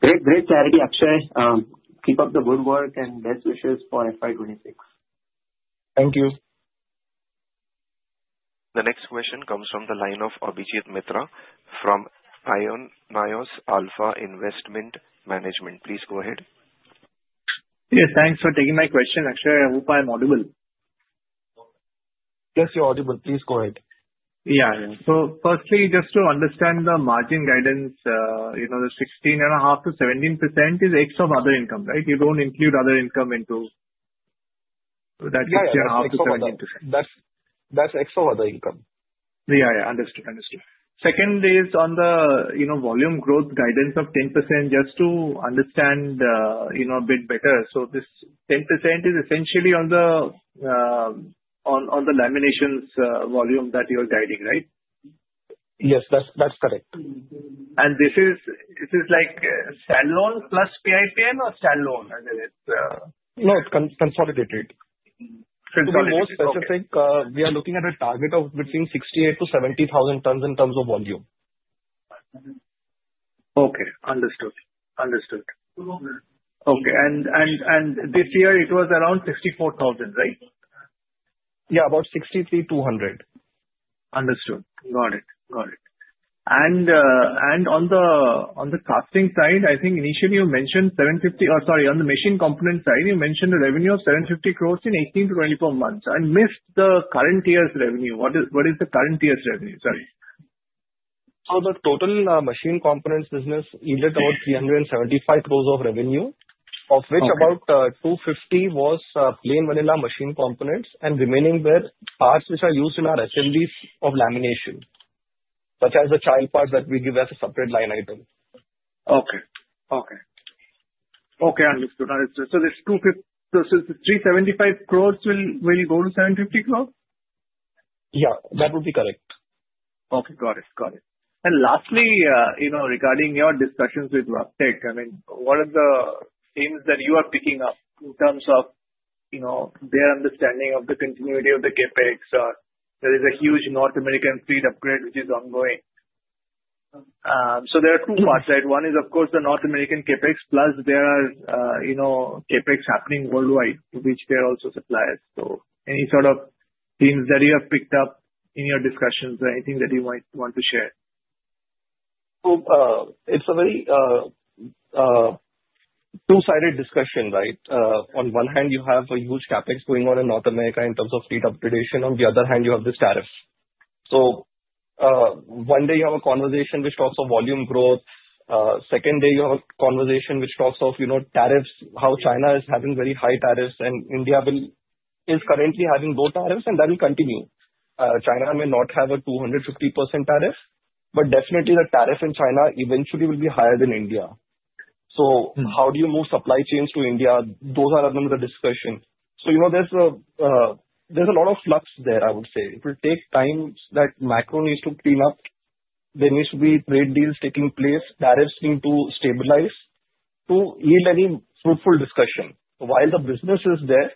Great. Great clarity, Akshay. Keep up the good work and best wishes for FY26. Thank you. The next question comes from the line of Abhijit Mitra from Aionios Alpha Investment Management. Please go ahead. Yeah. Thanks for taking my question, Akshay. I hope I'm audible. Yes, you're audible. Please go ahead. Yeah. So, firstly, just to understand the margin guidance, the 16.5%-17% is ex of other income, right? You don't include other income into that 16.5%. That's ex of other income. Yeah. Understood. Second is on the volume growth guidance of 10%, just to understand a bit better. So, this 10% is essentially on the laminations volume that you're guiding, right? Yes. That's correct. This is like stand-alone plus PIPM or stand-alone as it is? No, it's consolidated. Consolidated. For the most, I think we are looking at a target of between 68,000-70,000 tons in terms of volume. Okay. Understood. Understood. Okay, and this year, it was around 64,000, right? Yeah. About 63,200. Understood. Got it. Got it. And on the casting side, I think initially you mentioned INR 750 crores or sorry, on the machine component side, you mentioned a revenue of INR 750 crores in 18 to 24 months. I missed the current year's revenue. What is the current year's revenue? Sorry. The total machine components business yielded about 375 crores of revenue, of which about 250 was plain vanilla machine components and remaining were parts which are used in our assemblies of lamination, such as the child parts that we give as a separate line item. Okay. Understood. So, this 375 crores will go to 750 crores? Yeah. That would be correct. Okay. Got it. Got it. And lastly, regarding your discussions with Wabtec, I mean, what are the themes that you are picking up in terms of their understanding of the continuity of the CapEx? There is a huge North American freight upgrade which is ongoing. So, there are two parts, right? One is, of course, the North American CapEx, plus there are CapEx happening worldwide, to which they're also suppliers. So, any sort of themes that you have picked up in your discussions or anything that you might want to share? So, it's a very two-sided discussion, right? On one hand, you have a huge CapEx going on in North America in terms of freight upgradation. On the other hand, you have the tariffs. So, one day you have a conversation which talks of volume growth. Second day, you have a conversation which talks of tariffs, how China is having very high tariffs, and India is currently having low tariffs, and that will continue. China may not have a 250% tariff, but definitely the tariff in China eventually will be higher than India. So, how do you move supply chains to India? Those are among the discussions. So, there's a lot of flux there, I would say. It will take time that macro needs to clean up. There needs to be trade deals taking place. Tariffs need to stabilize to yield any fruitful discussion. While the business is there,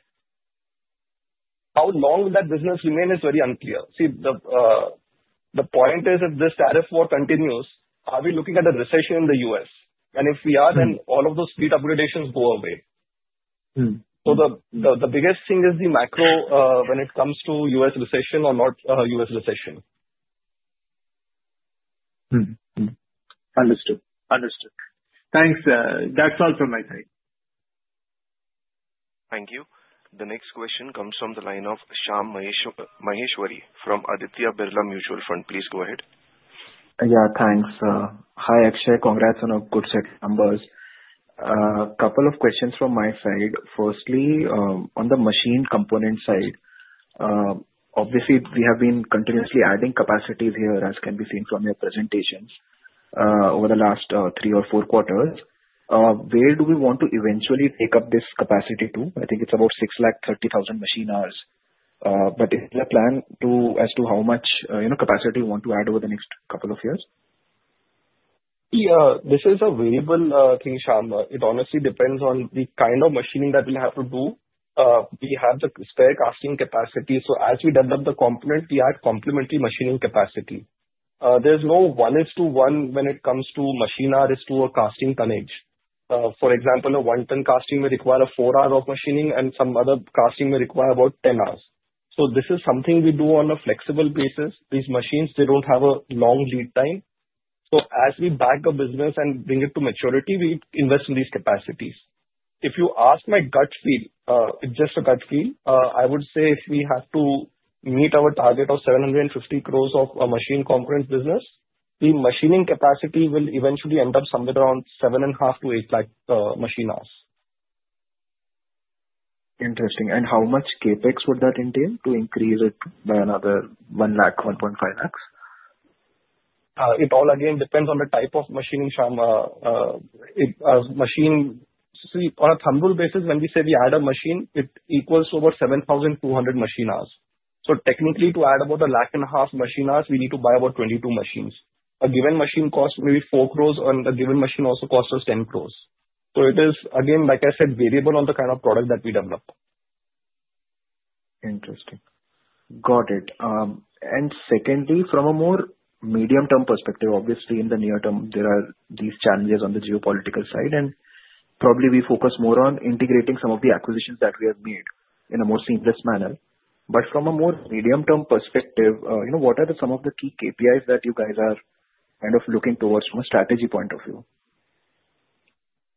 how long that business remains is very unclear. See, the point is, if this tariff war continues, are we looking at a recession in the U.S.? And if we are, then all of those freed upgradations go away. So, the biggest thing is the macro when it comes to U.S. recession or not U.S. recession. Understood. Understood. Thanks. That's all from my side. Thank you. The next question comes from the line of Shyam Maheshwari from Aditya Birla Mutual Fund. Please go ahead. Yeah. Thanks. Hi, Akshay. Congrats on a good set of numbers. A couple of questions from my side. Firstly, on the machine component side, obviously, we have been continuously adding capacity here, as can be seen from your presentations over the last three or four quarters. Where do we want to eventually pick up this capacity to? I think it's about 630,000 machine hours. But is there a plan as to how much capacity you want to add over the next couple of years? Yeah. This is a variable thing, Shyam. It honestly depends on the kind of machining that we'll have to do. We have the spare casting capacity. So, as we develop the component, we add complementary machining capacity. There's no one-to-one when it comes to machine hours to a casting tonnage. For example, a one-ton casting may require four hours of machining, and some other casting may require about 10 hours. So, this is something we do on a flexible basis. These machines, they don't have a long lead time. So, as we book the business and bring it to maturity, we invest in these capacities. If you ask my gut feel, just a gut feel, I would say if we have to meet our target of 750 crores of a machine component business, the machining capacity will eventually end up somewhere around 7.5 to 8 lakh machine hours. Interesting. And how much CapEx would that entail to increase it by another 1 lakh, 1.5 lakhs? It all again depends on the type of machining, Shyam. See, on a thumb rule basis, when we say we add a machine, it equals over 7,200 machine hours. So, technically, to add about a lakh and a half machine hours, we need to buy about 22 machines. A given machine costs maybe four crores, and a given machine also costs us 10 crores. So, it is again, like I said, variable on the kind of product that we develop. Interesting. Got it. And secondly, from a more medium-term perspective, obviously, in the near term, there are these challenges on the geopolitical side, and probably we focus more on integrating some of the acquisitions that we have made in a more seamless manner. But from a more medium-term perspective, what are some of the key KPIs that you guys are kind of looking towards from a strategy point of view?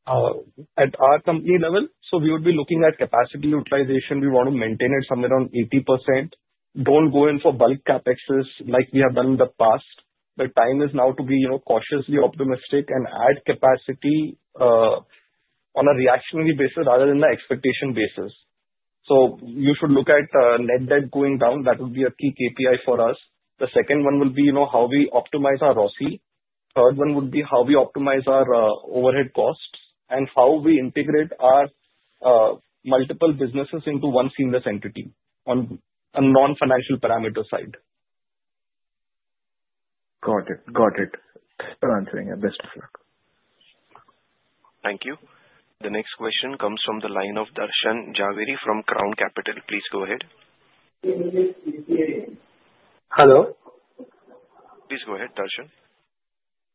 At our company level, so we would be looking at capacity utilization. We want to maintain it somewhere around 80%. Don't go in for bulk CapExes like we have done in the past. The time is now to be cautiously optimistic and add capacity on a reactionary basis rather than the expectation basis. So, you should look at net debt going down. That would be a key KPI for us. The second one will be how we optimize our ROCE. Third one would be how we optimize our overhead costs and how we integrate our multiple businesses into one seamless entity on a non-financial parameter side. Got it. Got it. Thanks for answering. Best of luck. Thank you. The next question comes from the line of Darshan Jhaveri from Crown Capital. Please go ahead. Hello? Please go ahead, Darshan.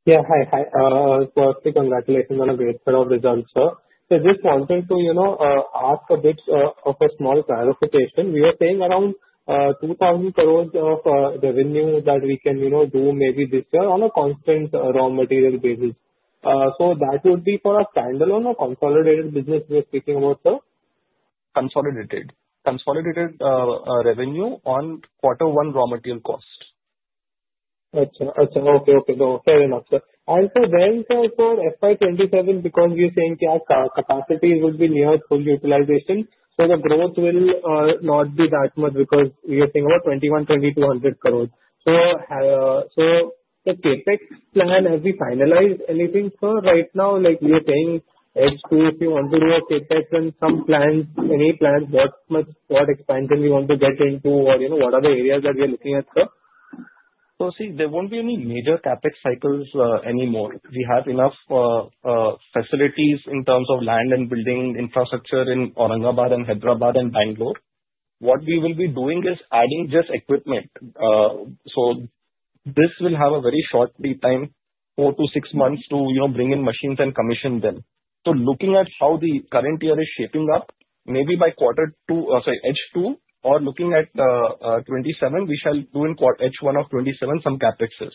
Yeah. Hi. So, heartfelt congratulations on a great set of results, sir. I just wanted to ask a bit of a small clarification. We are saying around 2,000 crores of revenue that we can do maybe this year on a constant raw material basis. So, that would be for a stand-alone or consolidated business we are speaking about, sir? Consolidated revenue on quarter one raw material cost. Gotcha. Okay. Okay. Fair enough, sir. And so, then for FY27, because we are saying capacity will be near full utilization, so the growth will not be that much because we are seeing about 21,000-22,000 crores. So, the CapEx plan, have we finalized anything, sir? Right now, we are yet to, if you want to do a CapEx and some plans, any plans, what expansion we want to get into or what are the areas that we are looking at, sir? See, there won't be any major CapEx cycles anymore. We have enough facilities in terms of land and building infrastructure in Aurangabad and Hyderabad and Bangalore. What we will be doing is adding just equipment. So, this will have a very short lead time, four to six months to bring in machines and commission them. So, looking at how the current year is shaping up, maybe by quarter two or sorry, Q2, or looking at 2027, we shall do in Q1 of 2027 some CapExes.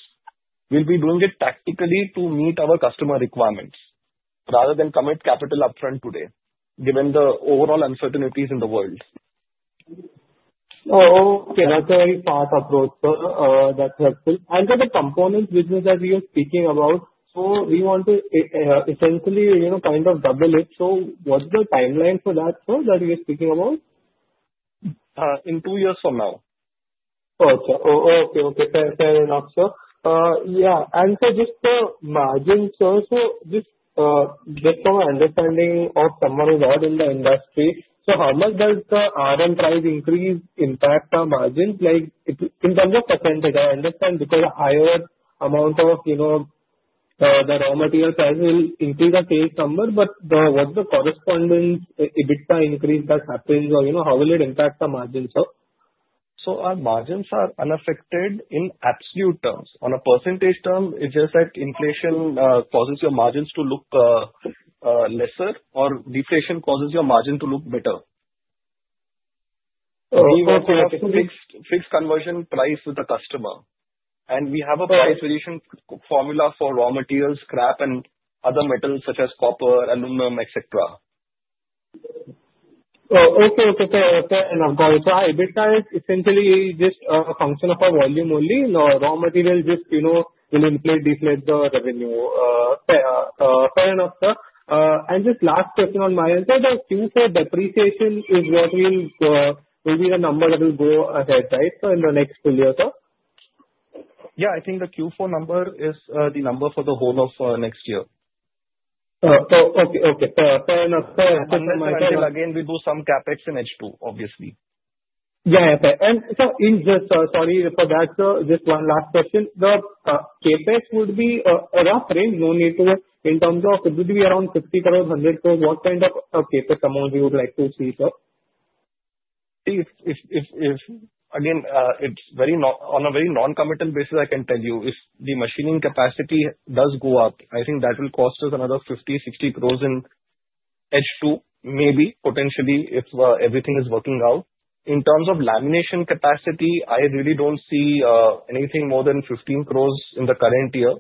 We'll be doing it tactically to meet our customer requirements rather than commit capital upfront today, given the overall uncertainties in the world. Okay. That's a very fast approach, sir. That's helpful. And for the component business that we are speaking about, so we want to essentially kind of double it. So, what's the timeline for that, sir, that we are speaking about? In two years from now. Gotcha. Okay. Okay. Fair enough, sir. Yeah. And so, just the margin, sir. So, just from an understanding of someone who's not in the industry, so how much does the RM price increase impact our margins? In terms of percentage, I understand because a higher amount of the raw material price will increase anyway, sir, but what's the corresponding EBITDA increase that happens, or how will it impact the margins, sir? So, our margins are unaffected in absolute terms. On a percentage term, it's just that inflation causes your margins to look lesser, or deflation causes your margin to look better. We work with a fixed conversion price with the customer, and we have a price variation formula for raw materials, scrap, and other metals such as copper, aluminum, etc. Okay. Okay. Fair enough, guys. So, EBITDA is essentially just a function of our volume only, and raw materials just will inflate and deflate the revenue. Fair enough, sir. And just last question on my end. So, the Q4 depreciation is what will be the number that will go ahead, right, in the next full year, sir? Yeah. I think the Q4 number is the number for the whole of next year. Okay. Okay. Fair enough, sir. Again, we do some CapEx in H2, obviously. And so, sorry for that, sir. Just one last question. The CapEx would be around 50-100 crores. What kind of CapEx amount you would like to see, sir? Again, on a very non-committal basis, I can tell you, if the machining capacity does go up, I think that will cost us another 50-60 crores in CapEx, too, maybe, potentially, if everything is working out. In terms of lamination capacity, I really don't see anything more than 15 crores in the current year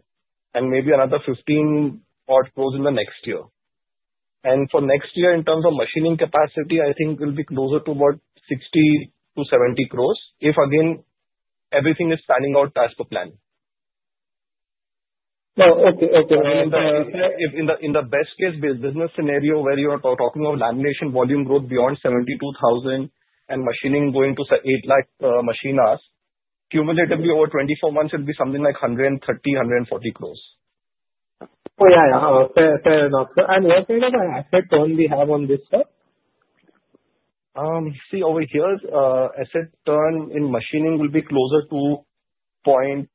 and maybe another 15-20 crores in the next year. For next year, in terms of machining capacity, I think we'll be closer to about 60-70 crores, if again, everything is panning out as per plan. Okay. In the best-case business scenario, where you're talking of lamination volume growth beyond 72,000 and machining going to 8 lakh machine hours, cumulatively over 24 months, it'll be something like 130-140 crores. Oh, yeah. Fair enough, sir. And what kind of an asset turn do we have on this, sir? See, over here, asset turn in machining will be closer to 0.7,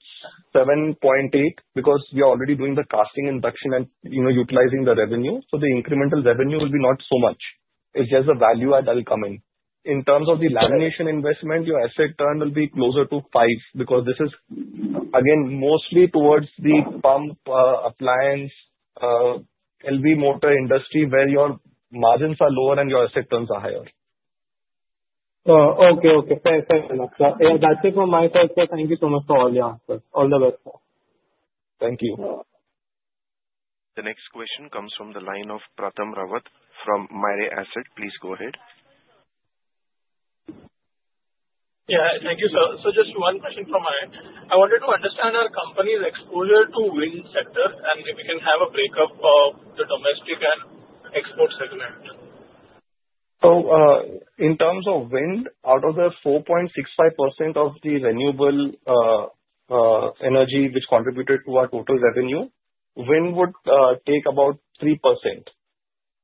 0.8 because we are already doing the casting induction and utilizing the revenue. So, the incremental revenue will be not so much. It's just the value add that will come in. In terms of the lamination investment, your asset turn will be closer to 5 because this is, again, mostly towards the pump appliance, LV motor industry, where your margins are lower and your asset turns are higher. Okay. Okay. Fair enough, sir. That's it from my side, sir. Thank you so much for all your answers. All the best, sir. Thank you. The next question comes from the line of Pratham Rawat from Mirae Asset. Please go ahead. Yeah. Thank you, sir. So, just one question from my end. I wanted to understand our company's exposure to wind sector, and if we can have a breakup of the domestic and export segment? In terms of wind, out of the 4.65% of the renewable energy which contributed to our total revenue, wind would take about 3%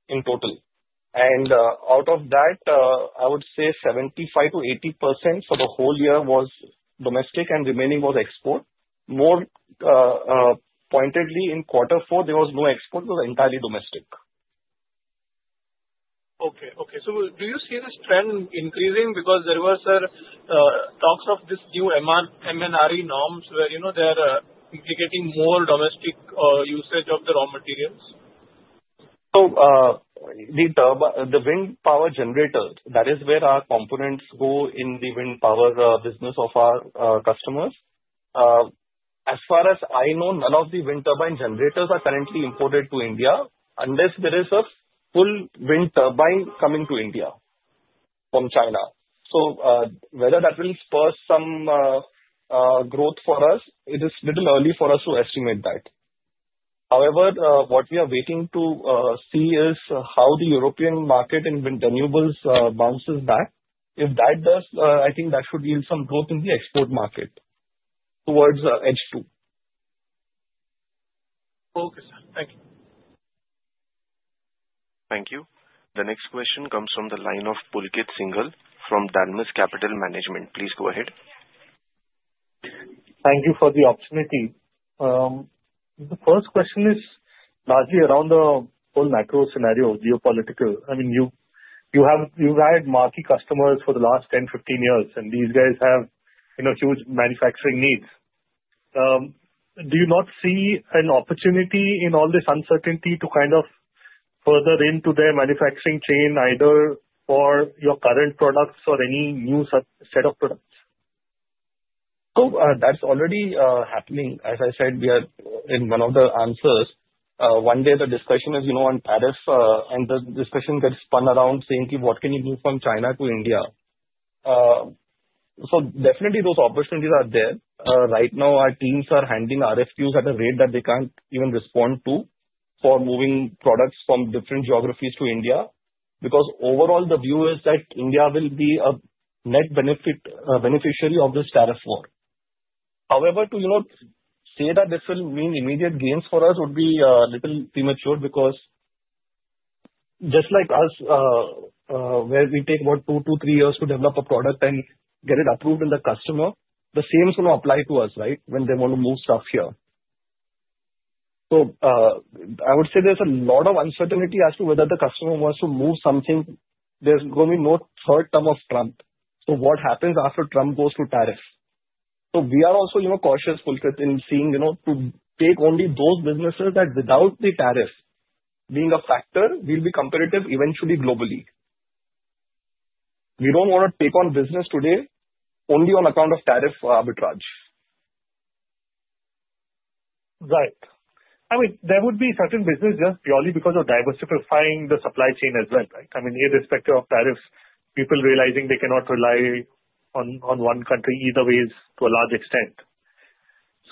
in total. Out of that, I would say 75%-80% for the whole year was domestic, and remaining was export. More pointedly, in quarter four, there was no export. It was entirely domestic. Okay. Okay. So, do you see this trend increasing because there were, sir, talks of this new MNRE norms where they are implementing more domestic usage of the raw materials? So, the wind power generators, that is where our components go in the wind power business of our customers. As far as I know, none of the wind turbine generators are currently imported to India unless there is a full wind turbine coming to India from China. So, whether that will spur some growth for us, it is a little early for us to estimate that. However, what we are waiting to see is how the European market in wind renewables bounces back. If that does, I think that should yield some growth in the export market towards EU. Okay, sir. Thank you. Thank you. The next question comes from the line of Pulkit Singal from Dalmus Capital Management. Please go ahead. Thank you for the opportunity. The first question is largely around the whole macro scenario, geopolitical. I mean, you've had marquee customers for the last 10, 15 years, and these guys have huge manufacturing needs. Do you not see an opportunity in all this uncertainty to kind of further into their manufacturing chain, either for your current products or any new set of products? So, that's already happening. As I said, we are in one of the answers. One day, the discussion is on tariffs, and the discussion gets spun around saying, "What can you do from China to India?" So, definitely, those opportunities are there. Right now, our teams are handling RFQs at a rate that they can't even respond to for moving products from different geographies to India because, overall, the view is that India will be a net beneficiary of this tariff war. However, to say that this will mean immediate gains for us would be a little premature because, just like us, where we take about two to three years to develop a product and get it approved in the customer, the same's going to apply to us, right, when they want to move stuff here. So, I would say there's a lot of uncertainty as to whether the customer wants to move something. There's going to be no third term of Trump. So, what happens after Trump goes to tariffs? So, we are also cautious, Pulkit, in seeing to take only those businesses that, without the tariff being a factor, will be competitive eventually globally. We don't want to take on business today only on account of tariff arbitrage. Right. I mean, there would be certain businesses just purely because of diversifying the supply chain as well, right? I mean, irrespective of tariffs, people realizing they cannot rely on one country either way to a large extent.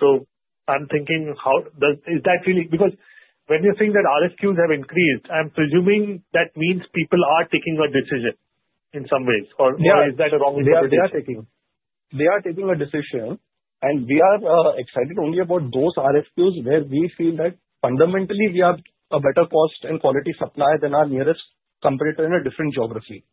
So, I'm thinking, is that really because when you're saying that RFQs have increased, I'm presuming that means people are taking a decision in some ways, or is that a wrong interpretation? Yeah. They are taking a decision, and we are excited only about those RFQs where we feel that fundamentally we have a better cost and quality supply than our nearest competitor in a different geography.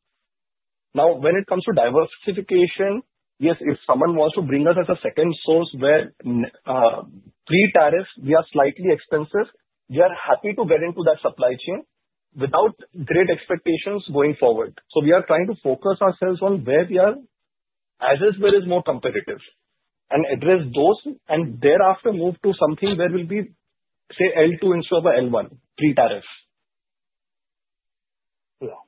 Now, when it comes to diversification, yes, if someone wants to bring us as a second source where pre-tariff, we are slightly expensive, we are happy to get into that supply chain without great expectations going forward. So, we are trying to focus ourselves on where we are as well as more competitive and address those, and thereafter move to something where we'll be, say, L2 instead of L1 pre-tariff. Yeah.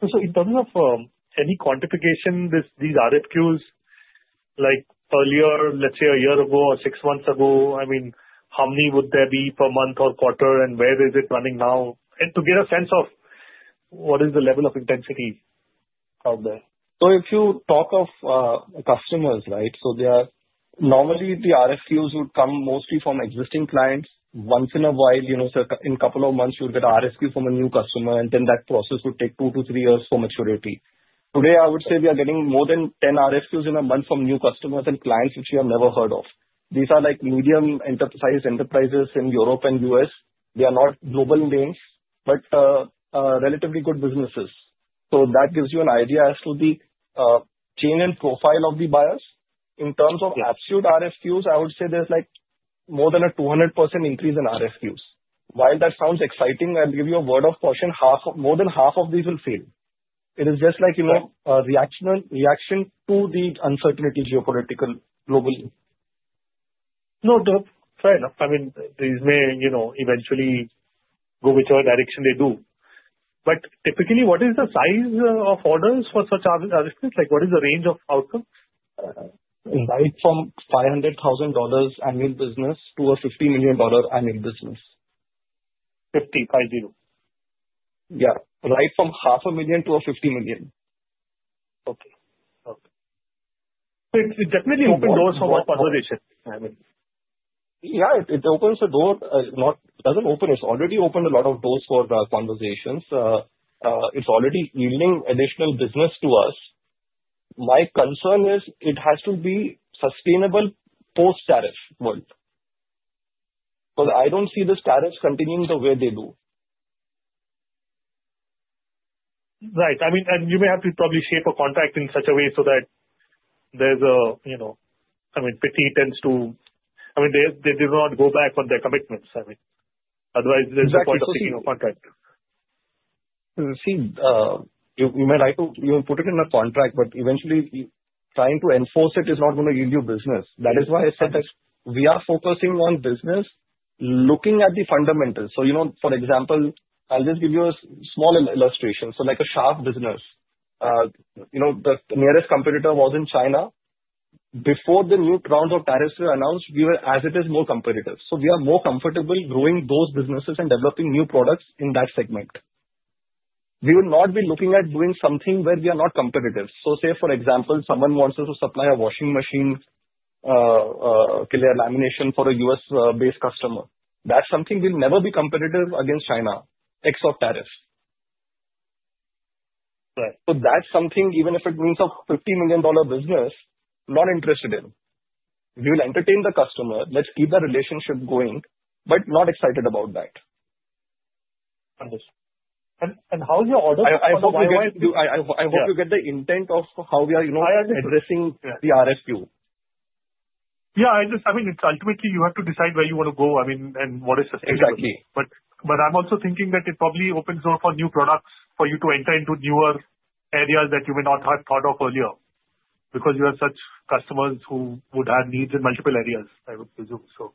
So, in terms of any quantification, these RFQs, like earlier, let's say a year ago or six months ago, I mean, how many would there be per month or quarter, and where is it running now? And to get a sense of what is the level of intensity out there? So, if you talk of customers, right, so normally, the RFQs would come mostly from existing clients. Once in a while, in a couple of months, you'll get an RFQ from a new customer, and then that process would take two to three years for maturity. Today, I would say we are getting more than 10 RFQs in a month from new customers and clients which we have never heard of. These are medium-sized enterprises in Europe and the US. They are not global names, but relatively good businesses. So, that gives you an idea as to the chain and profile of the buyers. In terms of absolute RFQs, I would say there's more than a 200% increase in RFQs. While that sounds exciting, I'll give you a word of caution: more than half of these will fail. It is just like a reaction to the uncertainty geopolitical globally. No, sir. Fair enough. I mean, these may eventually go whichever direction they do. But typically, what is the size of orders for such RFQs? What is the range of outcomes? Right from $500,000 annual business to a $50 million annual business. 50, 50. Yeah. Right from 500,000 to 50 million. Okay. So, it definitely opens doors for more conversation. Yeah. It opens a door. It doesn't open. It's already opened a lot of doors for conversations. It's already yielding additional business to us. My concern is it has to be sustainable post-tariff world because I don't see these tariffs continuing the way they do. Right. I mean, and you may have to probably shape a contract in such a way so that there's a—I mean, Pitti tends to—I mean, they do not go back on their commitments. I mean, otherwise, there's no point of taking a contract. See, you may like to put it in a contract, but eventually, trying to enforce it is not going to yield you business. That is why I said that we are focusing on business, looking at the fundamentals. So, for example, I'll just give you a small illustration. So, like a shaft business, the nearest competitor was in China. Before the new rounds of tariffs were announced, we were, as it is, more competitive. So, we are more comfortable growing those businesses and developing new products in that segment. We will not be looking at doing something where we are not competitive. So, say, for example, someone wants us to supply a washing machine core lamination for a U.S.-based customer. That's something we'll never be competitive against China except tariffs. Right. So, that's something, even if it means a $50 million business, not interested in. We will entertain the customer. Let's keep that relationship going, but not excited about that. How is your audit report? I hope you get the intent of how we are addressing the RFQ. Yeah. I mean, ultimately, you have to decide where you want to go, I mean, and what is sustainable. Exactly. But I'm also thinking that it probably opens door for new products for you to enter into newer areas that you may not have thought of earlier because you have such customers who would have needs in multiple areas, I would presume. So,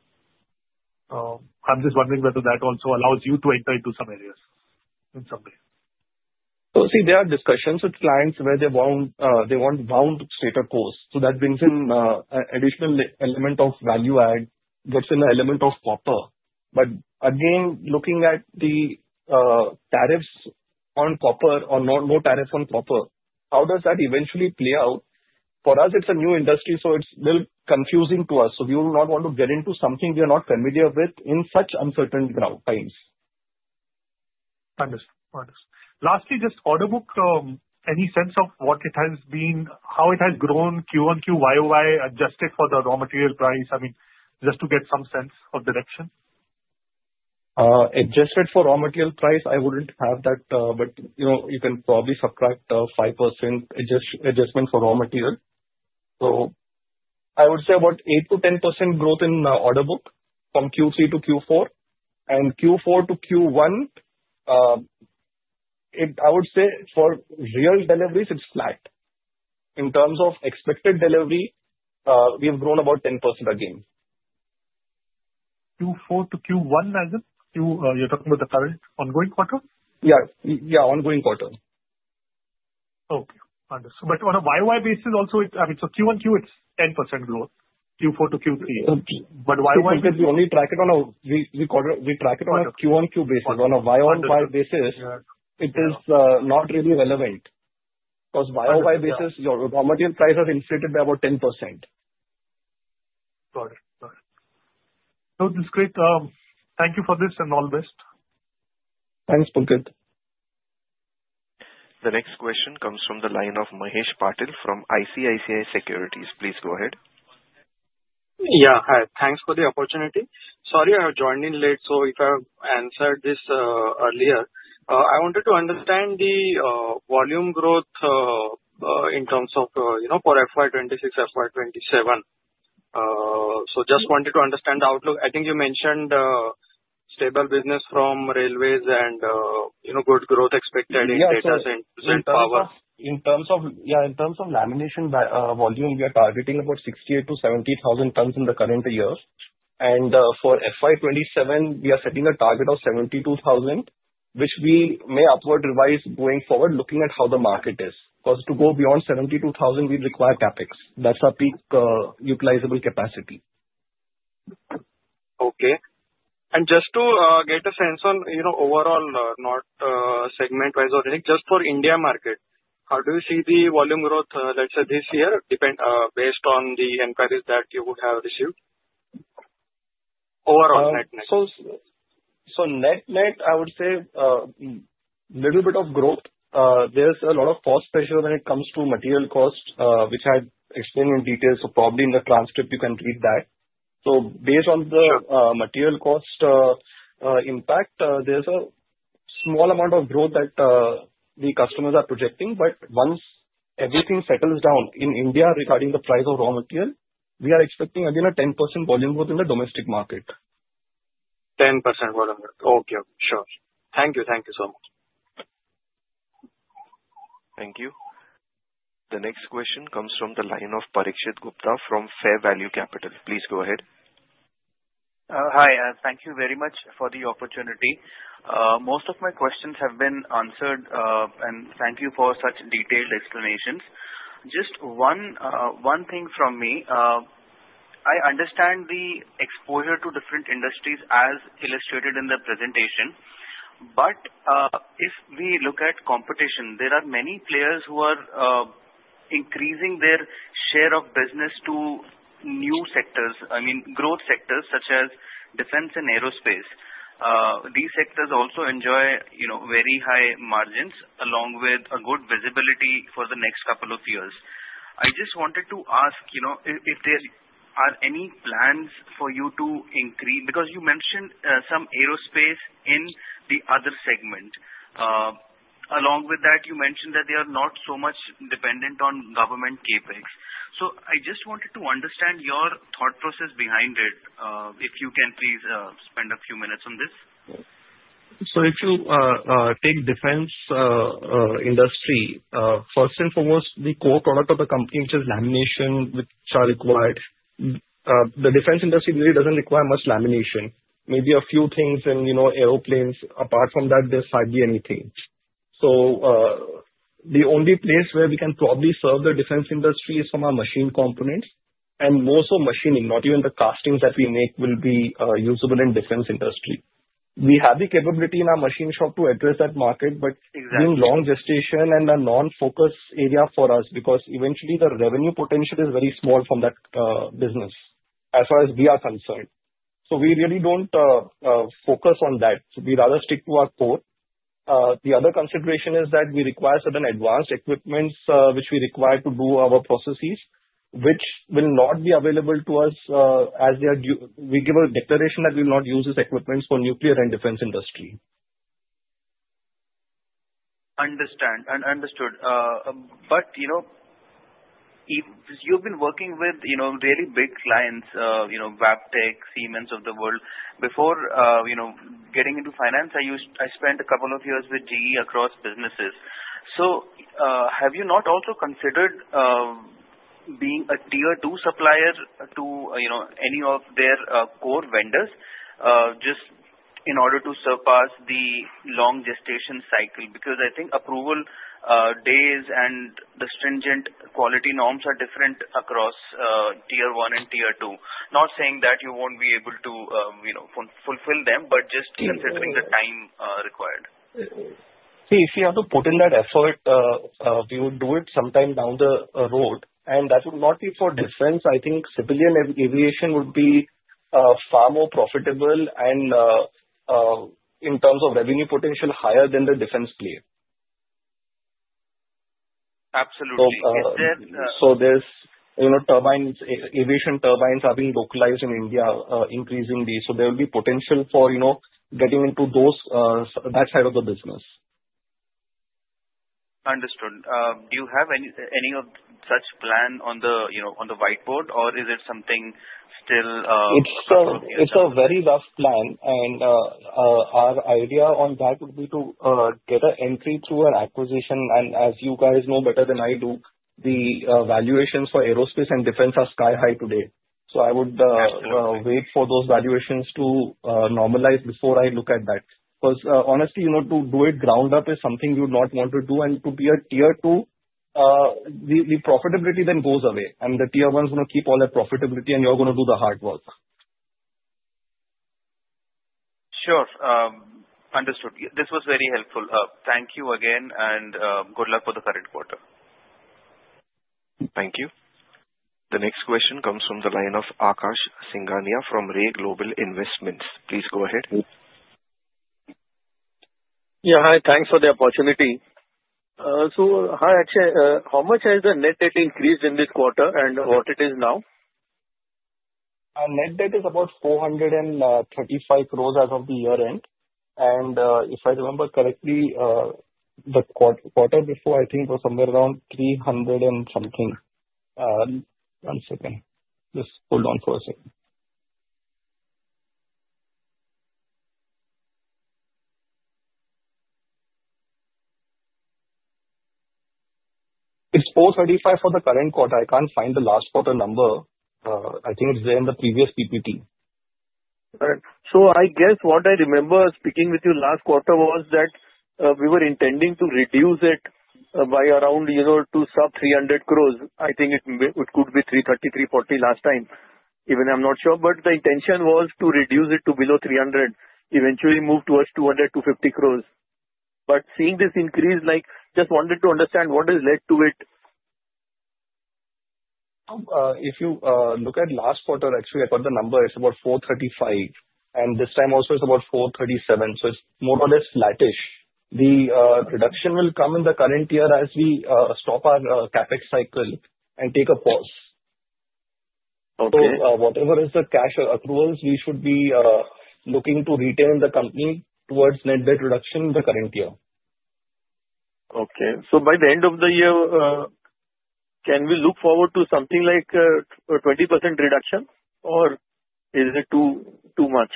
I'm just wondering whether that also allows you to enter into some areas in some way. So, see, there are discussions with clients where they want wound stator of course. So, that brings in an additional element of value add, gets an element of copper. But again, looking at the tariffs on copper or no tariffs on copper, how does that eventually play out? For us, it's a new industry, so it's a little confusing to us. So, we will not want to get into something we are not familiar with in such uncertain times. Understood. Lastly, just order book, any sense of what it has been, how it has grown, Q1, QoQ, adjusted for the raw material price? I mean, just to get some sense of direction. Adjusted for raw material price, I wouldn't have that, but you can probably subtract 5% adjustment for raw material. So, I would say about 8%-10% growth in the order book from Q3 to Q4, and Q4 to Q1, I would say for real deliveries, it's flat. In terms of expected delivery, we have grown about 10% again. Q4 to Q1, as in you're talking about the current ongoing quarter? Yeah. Yeah. Ongoing quarter. Okay. Understood. But on a YoY basis also, I mean, so QoQ, it's 10% growth. Q4 to Q3. But YoY. Pulkit, we only track it on a QoQ basis. On a YoY basis, it is not really relevant because your raw material price has inflated by about 10%. Got it. Got it. No, this is great. Thank you for this and all the best. Thanks, Pulkit. The next question comes from the line of Mahesh Patil from ICICI Securities. Please go ahead. Yeah. Hi. Thanks for the opportunity. Sorry, I have joined in late, so if I answered this earlier. I wanted to understand the volume growth in terms of for FY26, FY27. Just wanted to understand the outlook. I think you mentioned stable business from railways and good growth expected in data centers and power. In terms of lamination volume, we are targeting about 68,000-70,000 tons in the current year. For FY27, we are setting a target of 72,000, which we may upward revise going forward, looking at how the market is. Because to go beyond 72,000, we require CapEx. That's our peak utilizable capacity. Okay, and just to get a sense on overall, not segment-wise or anything, just for India market, how do you see the volume growth, let's say, this year based on the inquiries that you would have received overall net net? Net net, I would say a little bit of growth. There's a lot of cost pressure when it comes to material cost, which I explained in detail. Probably in the transcript, you can read that. Based on the material cost impact, there's a small amount of growth that the customers are projecting. Once everything settles down in India regarding the price of raw material, we are expecting, again, a 10% volume growth in the domestic market. 10% volume growth. Okay. Sure. Thank you. Thank you so much. Thank you. The next question comes from the line of Parikshit Gupta from Fair Value Capital. Please go ahead. Hi. Thank you very much for the opportunity. Most of my questions have been answered, and thank you for such detailed explanations. Just one thing from me. I understand the exposure to different industries as illustrated in the presentation. But if we look at competition, there are many players who are increasing their share of business to new sectors, I mean, growth sectors such as defense and aerospace. These sectors also enjoy very high margins along with good visibility for the next couple of years. I just wanted to ask if there are any plans for you to increase because you mentioned some aerospace in the other segment. Along with that, you mentioned that they are not so much dependent on government CapEx. So, I just wanted to understand your thought process behind it, if you can please spend a few minutes on this. So, if you take the defense industry, first and foremost, the core product of the company, which is lamination, which are required, the defense industry really doesn't require much lamination. Maybe a few things in airplanes. Apart from that, there's hardly anything. So, the only place where we can probably serve the defense industry is from our machine components. And more so machining, not even the castings that we make will be usable in the defense industry. We have the capability in our machine shop to address that market, but being long gestation and a non-focus area for us because eventually the revenue potential is very small from that business as far as we are concerned. So, we really don't focus on that. We rather stick to our core. The other consideration is that we require certain advanced equipment which we require to do our processes, which will not be available to us as we give a declaration that we will not use this equipment for nuclear and defense industry. Understood. But you've been working with really big clients, Wabtec, Siemens of the world. Before getting into finance, I spent a couple of years with GE across businesses. So, have you not also considered being a tier two supplier to any of their core vendors just in order to surpass the long gestation cycle? Because I think approval days and the stringent quality norms are different across tier one and tier two. Not saying that you won't be able to fulfill them, but just considering the time required. See, if we have to put in that effort, we will do it sometime down the road. And that would not be for defense. I think civilian aviation would be far more profitable and in terms of revenue potential higher than the defense player. Absolutely. So, there's turbines, aviation turbines are being localized in India increasingly. So, there will be potential for getting into that side of the business. Understood. Do you have any of such plan on the whiteboard, or is it something still? It's a very rough plan, and our idea on that would be to get an entry through an acquisition. And as you guys know better than I do, the valuations for aerospace and defense are sky-high today. So, I would wait for those valuations to normalize before I look at that. Because honestly, to do it ground up is something you would not want to do. And to be a Tier 2, the profitability then goes away. And the Tier 1 is going to keep all that profitability, and you're going to do the hard work. Sure. Understood. This was very helpful. Thank you again, and good luck for the current quarter. Thank you. The next question comes from the line of Akash Singhania from Ray Global Investments. Please go ahead. Yeah. Hi. Thanks for the opportunity. So, hi, actually, how much has the net debt increased in this quarter and what it is now? Net debt is about 435 crores as of the year end. If I remember correctly, the quarter before, I think it was somewhere around 300 and something. One second. Just hold on for a second. It's 435 for the current quarter. I can't find the last quarter number. I think it's there in the previous PPT. Right. So, I guess what I remember speaking with you last quarter was that we were intending to reduce it by around sub 300 crore. I think it could be 330-340 last time. Even I'm not sure. But the intention was to reduce it to below 300, eventually move towards 200-250 crore. But seeing this increase, just wanted to understand what has led to it. If you look at last quarter, actually, I thought the number is about 435, and this time also is about 437, so it's more or less flattish. The reduction will come in the current year as we stop our CapEx cycle and take a pause, so whatever is the cash accruals, we should be looking to retain the company towards net debt reduction in the current year. Okay, so by the end of the year, can we look forward to something like a 20% reduction, or is it too much?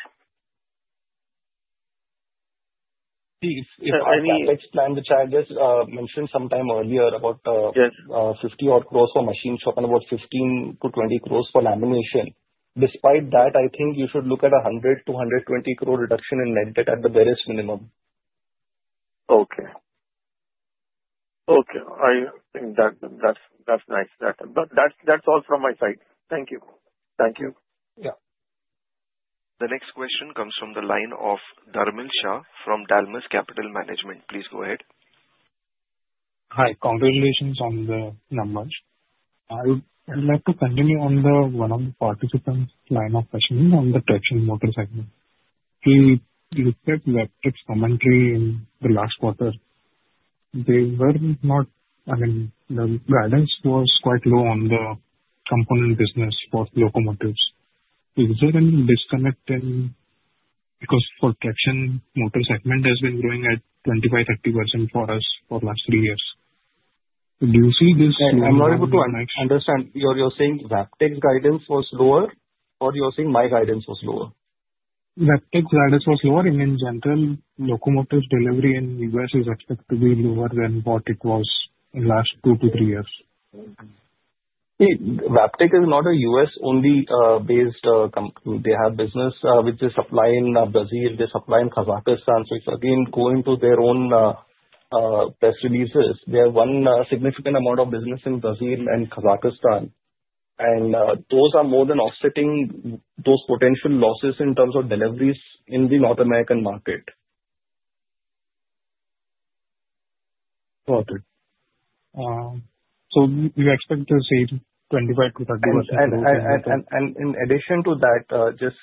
See, if I... If CapEx plan, which I just mentioned sometime earlier about 50-odd crore for machine shop and about 15-20 crore for lamination. Despite that, I think you should look at a 100-120 crore reduction in net debt at the barest minimum. Okay. Okay. I think that's nice. But that's all from my side. Thank you. Thank you. Yeah. The next question comes from the line of Please go ahead. Hi. Congratulations on the numbers. I would like to continue on one of the participants' line of questions on the traction motor segment. We looked at Wabtec's commentary in the last quarter. They were not. I mean, the guidance was quite low on the component business for locomotives. Is there any disconnect in, because the traction motor segment has been growing at 25%-30% for us for the last three years. Do you see this? I'm not able to understand. You're saying Wabtec's guidance was lower, or you're saying my guidance was lower? Wabtec's guidance was lower, and in general, locomotive delivery in the U.S. is expected to be lower than what it was in the last two to three years. See, Wabtec is not a U.S.-only based company. They have business with the supply in Brazil. They supply in Kazakhstan. So, it's again going to their own press releases. They have one significant amount of business in Brazil and Kazakhstan. And those are more than offsetting those potential losses in terms of deliveries in the North American market. Got it. So, you expect to see 25%-30% growth? In addition to that, just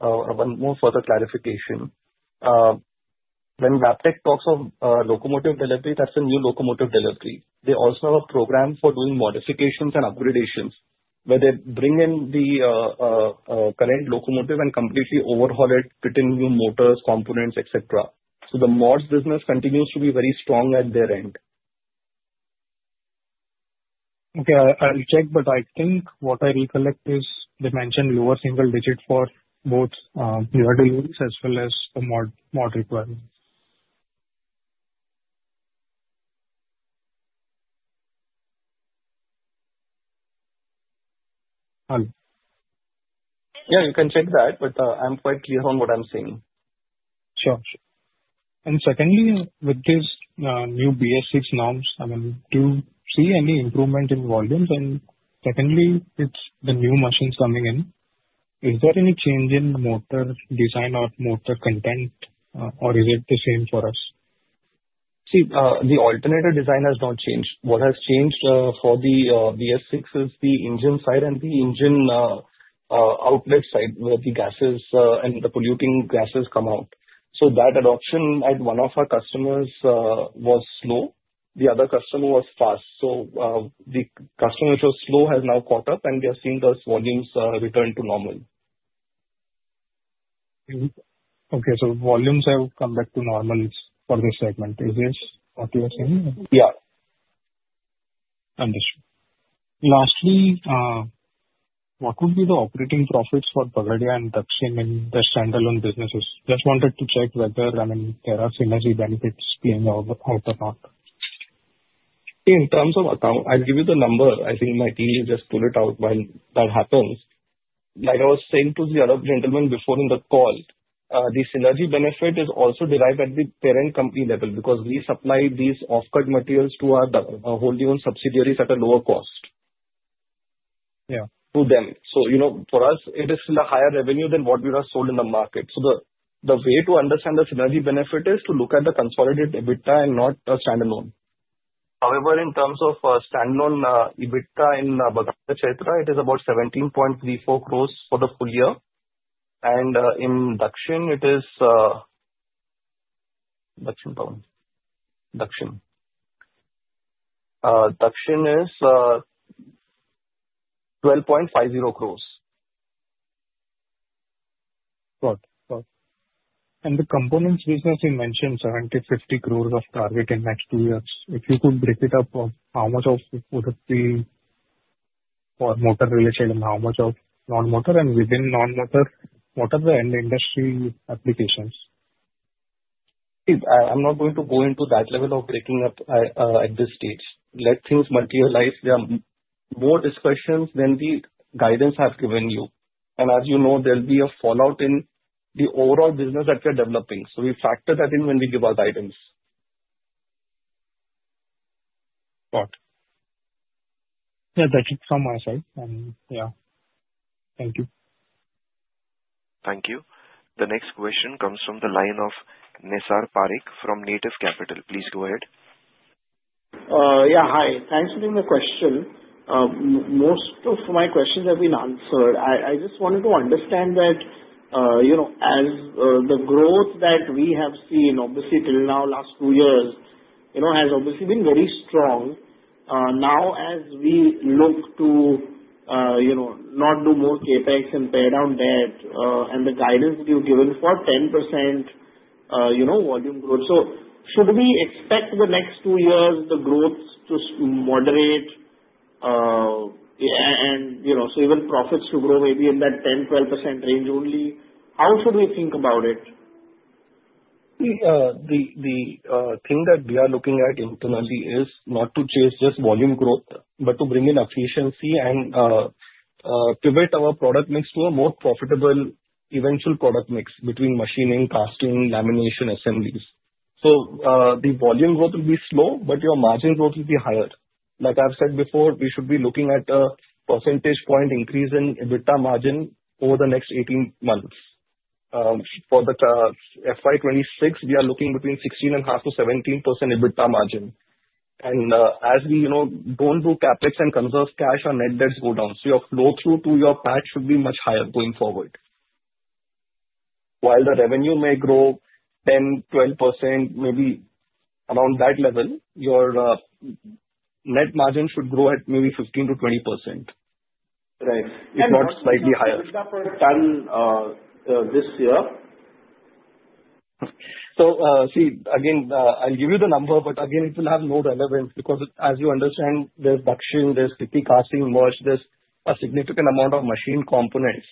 one more further clarification. When Wabtec talks of locomotive delivery, that's a new locomotive delivery. They also have a program for doing modifications and upgradations, where they bring in the current locomotive and completely overhaul it, fitting new motors, components, etc. The mods business continues to be very strong at their end. Okay. I'll check, but I think what I recollect is they mentioned lower single digit for both newer deliveries as well as the mod requirements. Yeah, you can check that, but I'm quite clear on what I'm seeing. Sure. And secondly, with these new BS6 norms, I mean, do you see any improvement in volumes? And secondly, with the new machines coming in, is there any change in motor design or motor content, or is it the same for us? See, the alternator design has not changed. What has changed for the BS6 is the engine side and the engine outlet side where the gases and the polluting gases come out. So, that adoption at one of our customers was slow. The other customer was fast. So, the customer which was slow has now caught up, and we have seen those volumes return to normal. Okay. So, volumes have come back to normal for this segment. Is this what you're saying? Yeah. Understood. Lastly, what would be the operating profits for Bagadia and Dakshin in their standalone businesses? Just wanted to check whether, I mean, there are synergy benefits playing out or not. In terms of account, I'll give you the number. I think my team will just pull it out when that happens. Like I was saying to the other gentleman before in the call, the synergy benefit is also derived at the parent company level because we supply these off-cut materials to our wholly owned subsidiaries at a lower cost to them. So, for us, it is still a higher revenue than what we would sell in the market. So, the way to understand the synergy benefit is to look at the consolidated EBITDA and not standalone. However, in terms of standalone EBITDA in Bagadia Chaitra, it is about 17.34 crores for the full year. And in Dakshin, it is 12.50 crores. Got it. And the components business you mentioned, 70-50 crores target in next two years. If you could break it up, how much of it would be for motor related and how much of non-motor? And within non-motor, what are the end industry applications? See, I'm not going to go into that level of breaking up at this stage. Let things materialize. There are more discussions than the guidance I've given you. And as you know, there'll be a fallout in the overall business that we are developing. So, we factor that in when we give our guidance. Got it. Yeah, that's it from my side, and yeah, thank you. Thank you. The next question comes from the line of Nesar Parikh from Native Capital. Please go ahead. Yeah. Hi. Thanks for the question. Most of my questions have been answered. I just wanted to understand that as the growth that we have seen, obviously till now, last two years, has obviously been very strong. Now, as we look to not do more CapEx and pay down debt and the guidance that you've given for 10% volume growth, so should we expect the next two years the growth to moderate and so even profits to grow maybe in that 10%-12% range only? How should we think about it? The thing that we are looking at internally is not to chase just volume growth, but to bring in efficiency and pivot our product mix to a more profitable eventual product mix between machining, casting, lamination, assemblies. So, the volume growth will be slow, but your margin growth will be higher. Like I've said before, we should be looking at a percentage point increase in EBITDA margin over the next 18 months. For the FY26, we are looking between 16.5%-17% EBITDA margin. And as we don't do CapEx and conserve cash on net debt go down, so your flow-through to your PAT should be much higher going forward. While the revenue may grow 10%-12%, maybe around that level, your net margin should grow at maybe 15%-20%. Right. It's not slightly higher. EBITDA per ton this year? So, see, again, I'll give you the number, but again, it will have no relevance because as you understand, there's Dakshin, there's Bagadia Chaitra, there's a significant amount of machine components.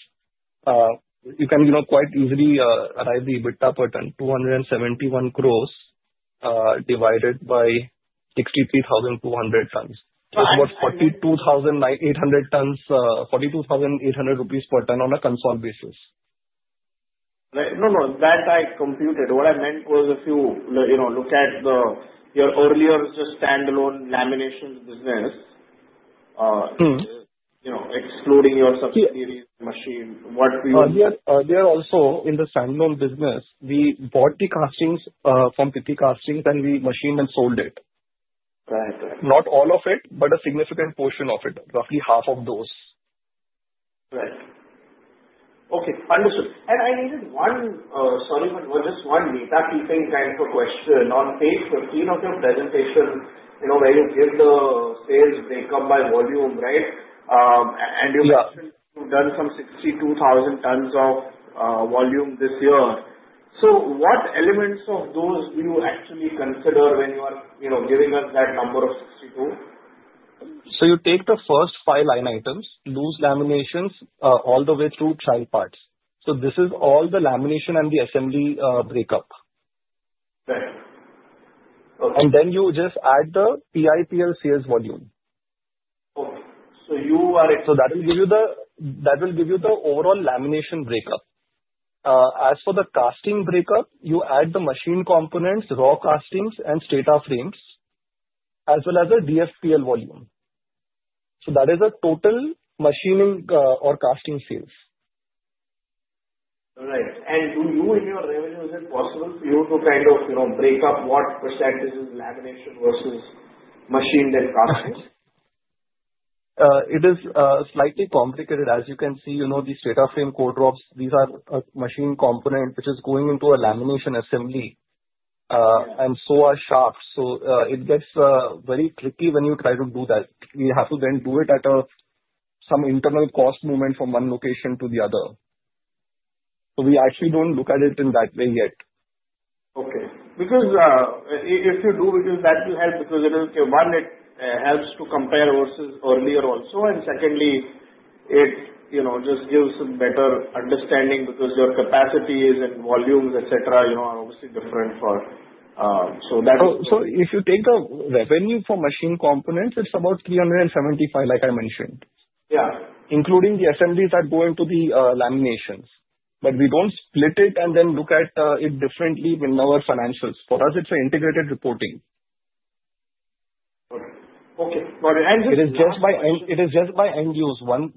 You can quite easily arrive at the EBITDA per ton, 271 crores divided by 63,200 tons. It's about 42,800 tons, 42,800 rupees per ton on a consolidated basis. Right. No, no. That I computed. What I meant was if you look at your earlier just standalone lamination business, excluding your subsidiary machining, what we— Earlier also in the standalone business, we bought the castings from Pitti Castings, and we machined and sold it. Not all of it, but a significant portion of it, roughly half of those. Right. Okay. Understood. And I needed one—sorry, but just one housekeeping kind of a question on page 15 of your presentation where you give the sales, they come by volume, right? And you mentioned you've done some 62,000 tons of volume this year. So, what elements of those do you actually consider when you are giving us that number of 62? So, you take the first five line items, those laminations all the way through child parts. So, this is all the lamination and the assembly breakup. And then you just add the PIPLCS volume. Okay. So, that will give you the overall lamination breakup. As for the casting breakup, you add the machine components, raw castings, and stator frames, as well as the DFPL volume. So, that is a total machining or casting sales. Right. And do you, in your revenue, is it possible for you to kind of break up what percentage is lamination versus machined and casting? It is slightly complicated. As you can see, you know the stator frame core drops. These are machine components which are going into a lamination assembly and so are shafts. So, it gets very tricky when you try to do that. We have to then do it at some internal cost movement from one location to the other. So, we actually don't look at it in that way yet. Okay. Because if you do, that will help because it will, one, it helps to compare versus earlier also. And secondly, it just gives a better understanding because your capacities and volumes, etc., are obviously different for, so that is. So, if you take the revenue for machine components, it's about 375, like I mentioned. including the assemblies that go into the laminations. But we don't split it and then look at it differently in our financials. For us, it's an integrated reporting. Okay. Okay. Got it. And this is. It is just by end use. One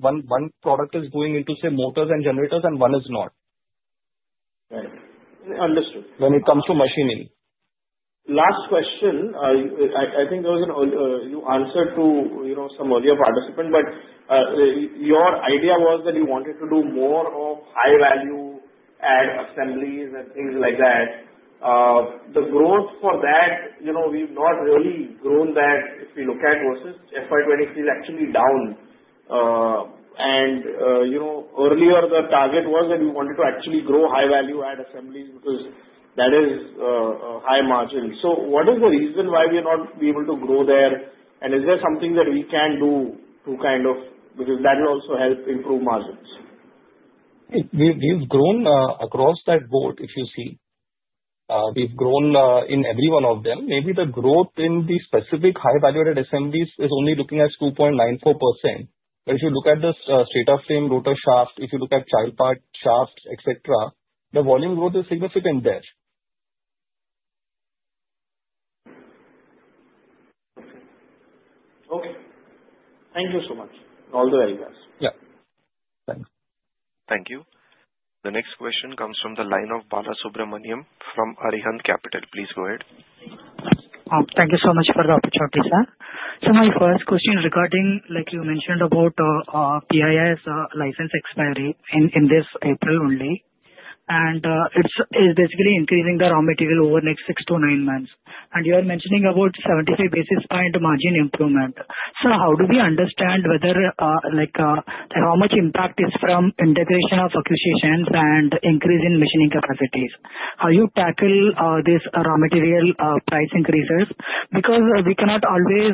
product is going into, say, motors and generators, and one is not. Right. Understood. When it comes to machining. Last question. I think you answered to some earlier participants, but your idea was that you wanted to do more of high-value add assemblies and things like that. The growth for that, we've not really grown that if you look at versus FY26, it's actually down. And earlier, the target was that we wanted to actually grow high-value add assemblies because that is high margin. So, what is the reason why we're not able to grow there? And is there something that we can do to kind of, because that will also help improve margins? We've grown across the board, if you see. We've grown in every one of them. Maybe the growth in the specific high-value-added assemblies is only looking at 2.94%. But if you look at the stator frame, rotor shaft, if you look at child parts, shafts, etc., the volume growth is significant there. Okay. Thank you so much. All the very best. Yeah. Thanks. Thank you. The next question comes from the line of Bala Subramaniam from Arihant Capital. Please go ahead. Thank you so much for the opportunity, sir. So, my first question regarding, like you mentioned, about Pitti's license expiry in this April only. And it's basically increasing the raw material over the next six to nine months. And you are mentioning about 75 basis point margin improvement. So, how do we understand whether, how much impact is from integration of acquisitions and increase in machining capacities? How do you tackle these raw material price increases? Because we cannot always,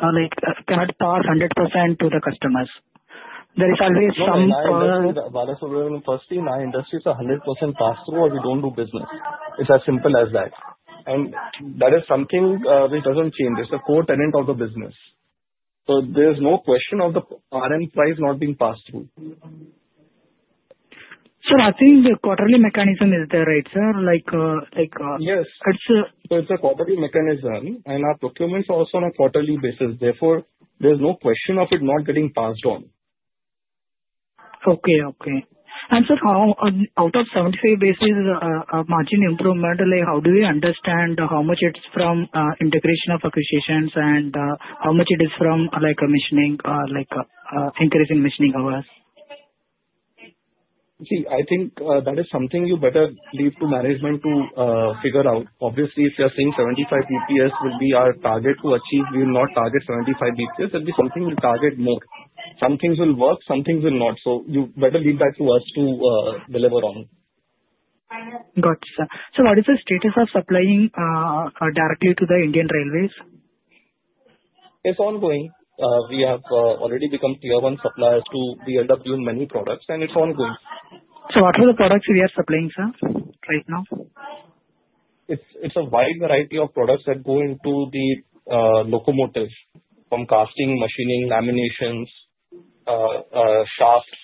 cannot pass 100% to the customers. There is always some. Bala Subramaniam: Firstly, in our industry, it's 100% pass-through or we don't do business. It's as simple as that. And that is something which doesn't change. It's a core tenet of the business. So, there's no question of the RM price not being passed through. Sir, I think the quarterly mechanism is there, right, sir? Like it's a... Yes. So, it's a quarterly mechanism. And our procurement is also on a quarterly basis. Therefore, there's no question of it not getting passed on. And sir, out of 75 basis points margin improvement, how do you understand how much it's from integration of acquisitions and how much it is from increasing machining hours? See, I think that is something you better leave to management to figure out. Obviously, if you're saying 75 basis points will be our target to achieve, we will not target 75 basis points. That will be something we target more. Some things will work, some things will not. So, you better leave that to us to deliver on. Got it, sir. So, what is the status of supplying directly to the Indian Railways? It's ongoing. We have already become Tier 1 suppliers to the OEMs doing many products, and it's ongoing. So, what are the products we are supplying, sir, right now? It's a wide variety of products that go into the locomotive from casting, machining, laminations, shafts.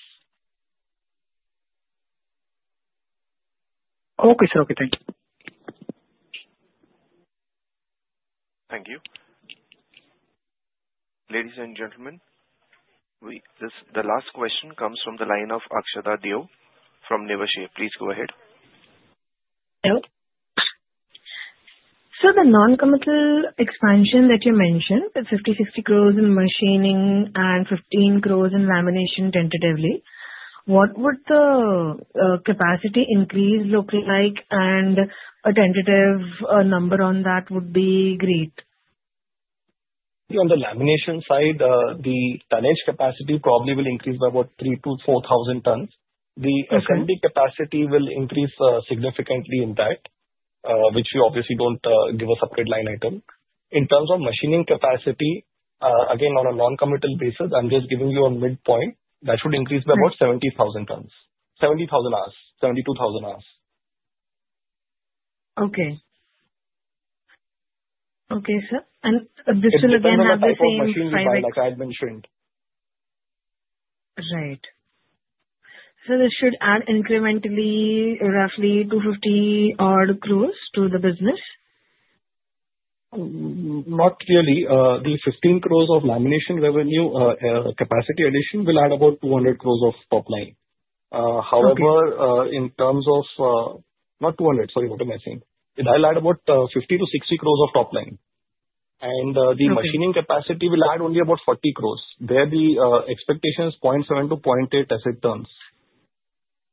Okay. Sir, okay. Thank you. Thank you. Ladies and gentlemen, the last question comes from the line of Akshada Deo from Niveshaay. Please go ahead. Hello, sir, the non-committal expansion that you mentioned, the 50-60 crores in machining and 15 crores in lamination tentatively, what would the capacity increase look like, and a tentative number on that would be great? On the lamination side, the tonnage capacity probably will increase by about 3,000 to 4,000 tons. The assembly capacity will increase significantly in that, which we obviously don't give a separate line item. In terms of machining capacity, again, on a non-committal basis, I'm just giving you a midpoint. That should increase by about 70,000 tons. 70,000 hours. 72,000 hours. Okay. Okay, sir. And this will again have the same... And then add more machine hours like I had mentioned. Right. So, this should add incrementally roughly 250 odd crores to the business? Not really. The 15 crores of lamination revenue capacity addition will add about 200 crores of top line. However, in terms of, not 200, sorry, what am I saying? It will add about 50-60 crores of top line. And the machining capacity will add only about 40 crores. There the expectation is 0.7-0.8 as it turns.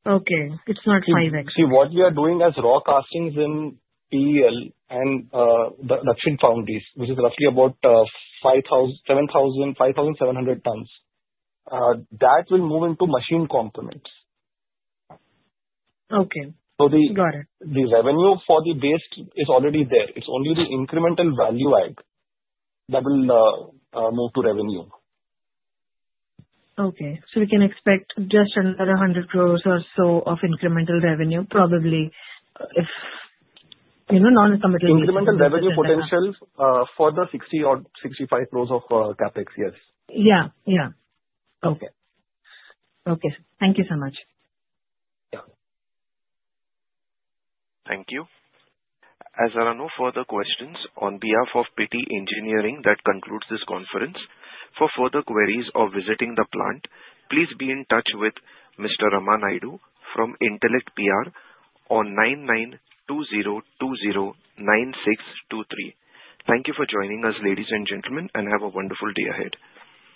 Okay. It's not 5X. See, what we are doing as raw castings in PEL and the Dakshin foundries, which is roughly about 5,000-5,700 tons, that will move into machine components. Okay. Got it. So the revenue for the base is already there. It's only the incremental value add that will move to revenue. Okay. So, we can expect just another 100 crores or so of incremental revenue, probably if non-committal. Incremental revenue potential for the 60 crore or 65 crore of CapEx, yes. Yeah. Okay. Thank you so much. Thank you. As there are no further questions on behalf of Pitti Engineering, that concludes this conference. For further queries or visiting the plant, please be in touch with Mr. Raman Naidu from Intellect PR on 9920209623. Thank you for joining us, ladies and gentlemen, and have a wonderful day ahead.